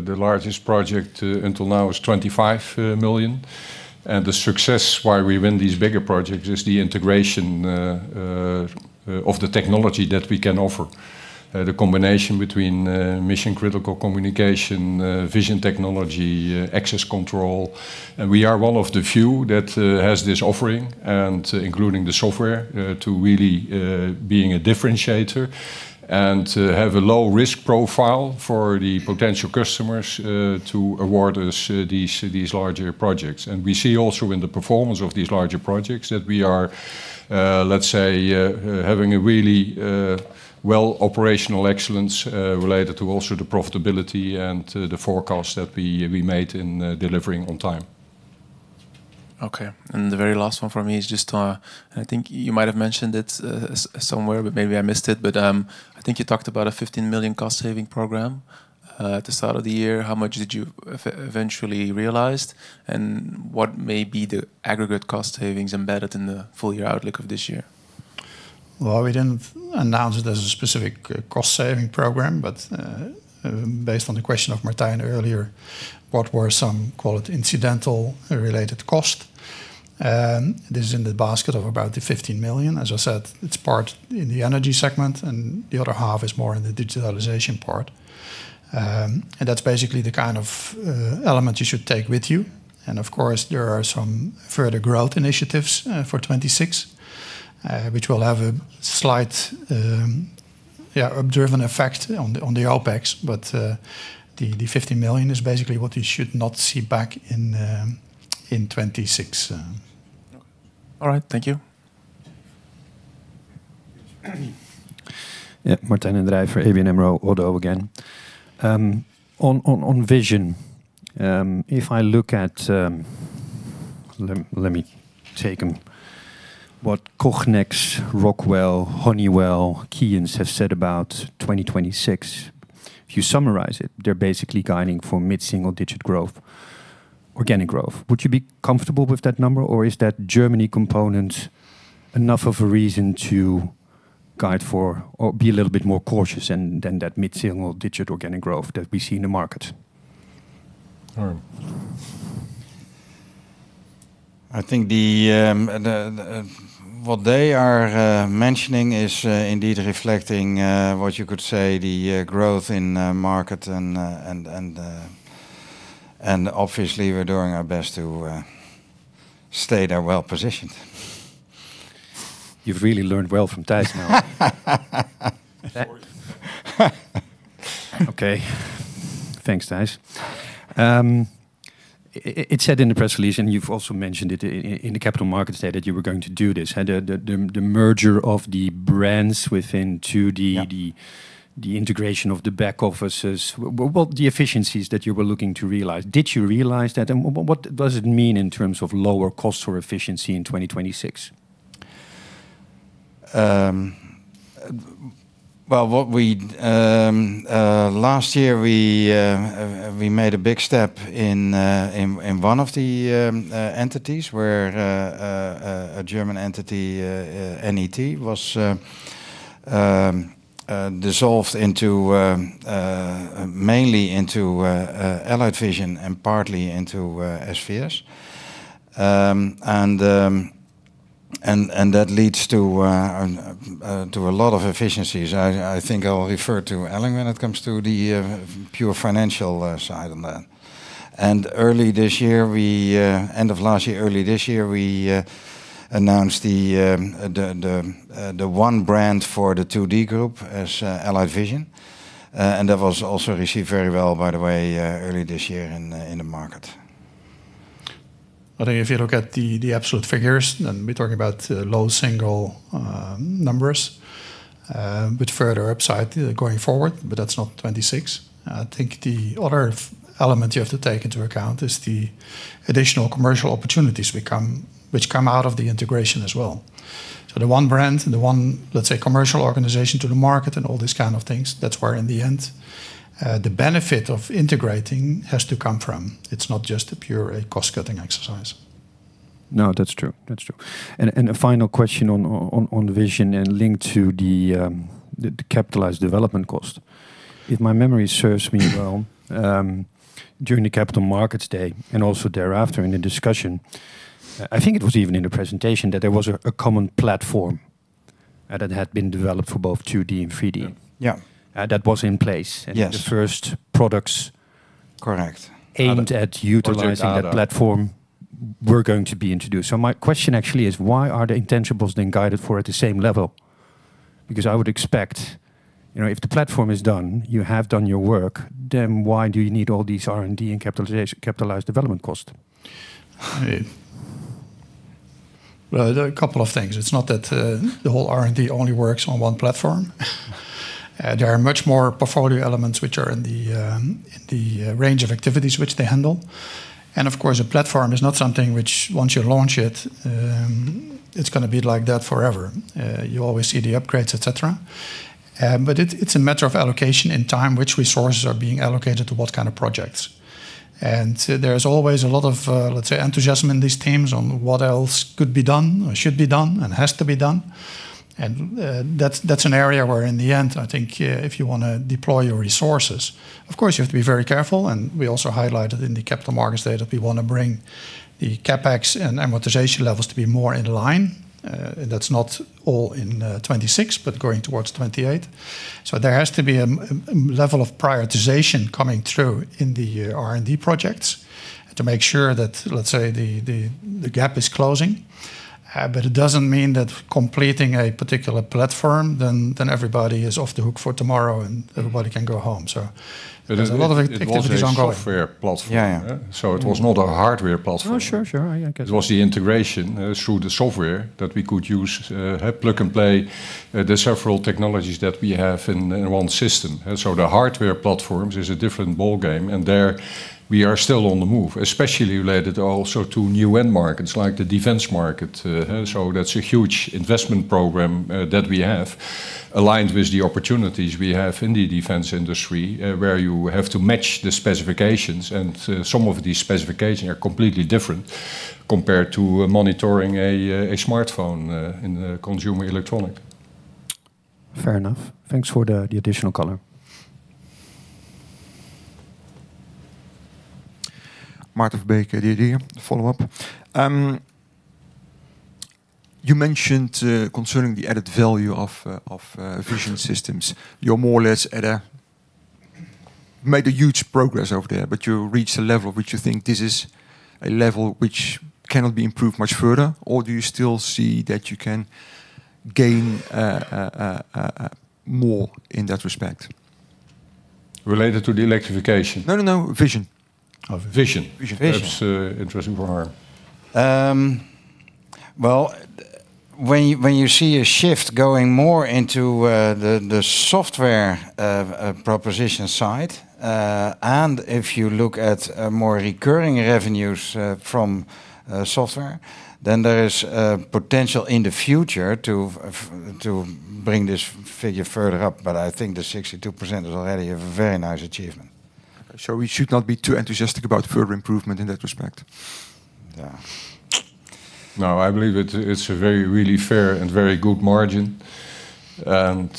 The largest project until now is 25 million. The success why we win these bigger projects is the integration of the technology that we can offer. The combination between mission-critical communication, vision technology, access control. We are one of the few that has this offering and including the software to really being a differentiator and to have a low risk profile for the potential customers to award us these larger projects. We see also in the performance of these larger projects that we are, let's say, having a really well operational excellence related to also the profitability and to the forecast that we made in delivering on time. Okay. The very last one for me is just, and I think you might have mentioned it somewhere, but maybe I missed it, but, I think you talked about a 15 million cost saving program at the start of the year. How much did you eventually realized? What may be the aggregate cost savings embedded in the full year outlook of this year? Well, we didn't announce it as a specific cost saving program, but, based on the question of Martijn earlier, what were some, call it, incidental related cost. This is in the basket of about the 15 million. As I said, it's part in the energy segment, and the other half is more in the digitalization part. That's basically the kind of element you should take with you. Of course, there are some further growth initiatives, for 2026, which will have a slight, yeah, driven effect on the, on the OpEx. The 15 million is basically what you should not see back in 2026. Okay. All right. Thank you. Yeah, Martijn den Drijver for ABN AMRO ODDO again. On vision, if I look at, let me take what Cognex, Rockwell, Honeywell, Keyence have said about 2026. If you summarize it, they're basically guiding for mid-single digit growth, organic growth. Would you be comfortable with that number, or is that Germany component enough of a reason to guide for or be a little bit more cautious than that mid-single digit organic growth that we see in the market? I think the what they are mentioning is indeed reflecting what you could say the growth in market and obviously we're doing our best to stay there well-positioned. You've really learned well from Tijs now. Of course. Okay. Thanks, Thijs. It said in the press release, and you've also mentioned it in the Capital Markets Day that you were going to do this. Had the merger of the brands within to the. Yeah... the integration of the back offices. What the efficiencies that you were looking to realize? Did you realize that? What does it mean in terms of lower cost or efficiency in 2026? Well, what we last year, we made a big step in one of the entities where a German entity, N.E.T. was dissolved into mainly into Allied Vision and partly into SVS. That leads to a lot of efficiencies. I think I'll refer to Ellen when it comes to the pure financial side on that. Early this year, we end of last year, early this year, we announced the one brand for the 2D group as Allied Vision. That was also received very well, by the way, early this year in the market. If you look at the absolute figures, we're talking about low single numbers with further upside going forward, but that's not 2026. The other element you have to take into account is the additional commercial opportunities which come out of the integration as well. The one brand and the one, let's say, commercial organization to the market and all these kind of things, that's where in the end, the benefit of integrating has to come from. It's not just a pure cost-cutting exercise. No, that's true. That's true. A final question on vision and linked to the capitalized development cost. If my memory serves me well, during the Capital Markets Day and also thereafter in the discussion, I think it was even in the presentation, that there was a common platform that had been developed for both 2D and 3D. Yeah. That was in place. Yes. The first products. Correct. aimed at utilizing that platform were going to be introduced. My question actually is, why are the intangibles then guided for at the same level? I would expect, you know, if the platform is done, you have done your work, then why do you need all these R&D and capitalized development costs? Well, there are a couple of things. It's not that, the whole R&D only works on one platform. There are much more portfolio elements which are in the range of activities which they handle. Of course a platform is not something which, once you launch it's gonna be like that forever. You always see the upgrades, et cetera. It's a matter of allocation and time, which resources are being allocated to what kind of projects. There's always a lot of, let's say, enthusiasm in these teams on what else could be done or should be done and has to be done. That's an area where in the end, I think, if you wanna deploy your resources, of course you have to be very careful. We also highlighted in the Capital Markets Day that we wanna bring the CapEx and amortization levels to be more in line. That's not all in 2026, but going towards 2028. There has to be a level of prioritization coming through in the R&D projects to make sure that, let's say, the gap is closing. It doesn't mean that completing a particular platform, everybody is off the hook for tomorrow and everybody can go home. There's a lot of activities ongoing. Software platform. Yeah, yeah. It was not a hardware platform. Oh, sure. I get it. It was the integration through the software that we could use plug and play the several technologies that we have in one system. The hardware platforms is a different ballgame, and there we are still on the move, especially related also to new end markets like the defense market. That's a huge investment program that we have aligned with the opportunities we have in the defense industry, where you have to match the specifications, and some of these specifications are completely different compared to monitoring a smartphone in the consumer electronic. Fair enough. Thanks for the additional color. Maarten Verbeek, the IDEA! here. Follow-up. You mentioned, concerning the added value of vision systems. You're more or less Made a huge progress over there, but you reached a level which you think this is a level which cannot be improved much further, or do you still see that you can gain more in that respect? Related to the electrification? No, no. Vision. Oh, vision. Vision. Vision. That's interesting for Harm. Well, when you see a shift going more into the software proposition side, and if you look at more recurring revenues from software, then there is potential in the future to bring this figure further up. I think the 62% is already a very nice achievement. We should not be too enthusiastic about further improvement in that respect? Yeah. No, I believe it's a very really fair and very good margin. Well,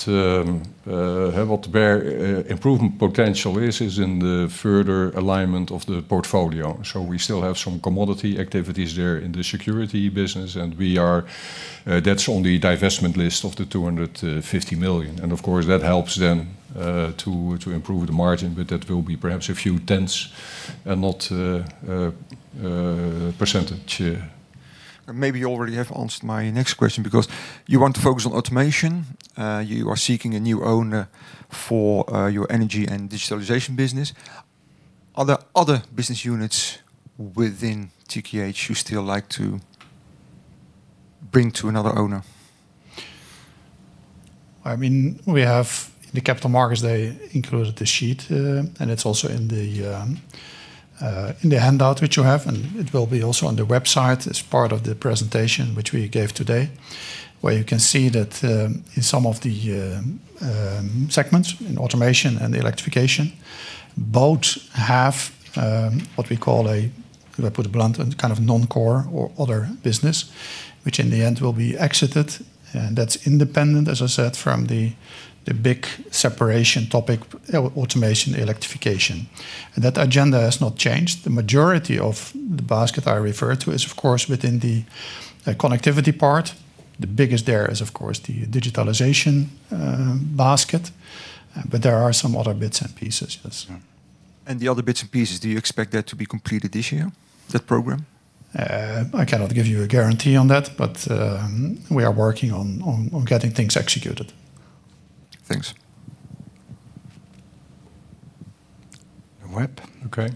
the improvement potential is in the further alignment of the portfolio. We still have some commodity activities there in the security business, and we are, that's on the divestment list of the 250 million. Of course, that helps then to improve the margin, but that will be perhaps a few tenths and not a percentage. Maybe you already have answered my next question because you want to focus on automation. You are seeking a new owner for your energy and digitalization business. Are there other business units within TKH you still like to bring to another owner? I mean, we have the Capital Markets Day included the sheet, and it's also in the handout which you have, and it will be also on the website as part of the presentation which we gave today, where you can see that, in some of the segments in automation and the electrification, both have what we call, if I put it blunt, a kind of non-core or other business, which in the end will be exited. That's independent, as I said, from the big separation topic, automation, electrification. That agenda has not changed. The majority of the basket I referred to is of course within the connectivity part. The biggest there is of course the digitalization basket. There are some other bits and pieces. Yes. The other bits and pieces, do you expect that to be completed this year, that program? I cannot give you a guarantee on that, but we are working on getting things executed. Thanks. Web. Okay.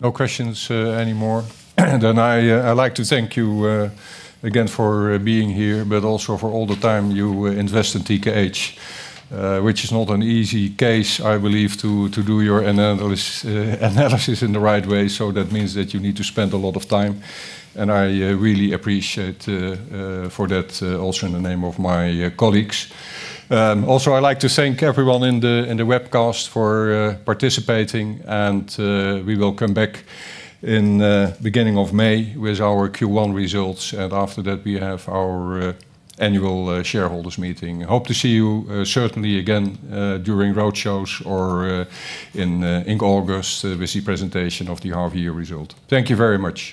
No questions anymore. I'd like to thank you again for being here, but also for all the time you invest in TKH, which is not an easy case, I believe, to do your analysis in the right way. That means that you need to spend a lot of time, and I really appreciate for that, also in the name of my colleagues. Also I'd like to thank everyone in the webcast for participating and we will come back in beginning of May with our Q1 results. After that we have our annual shareholders meeting. Hope to see you certainly again during road shows or in August with the presentation of the half year result. Thank you very much.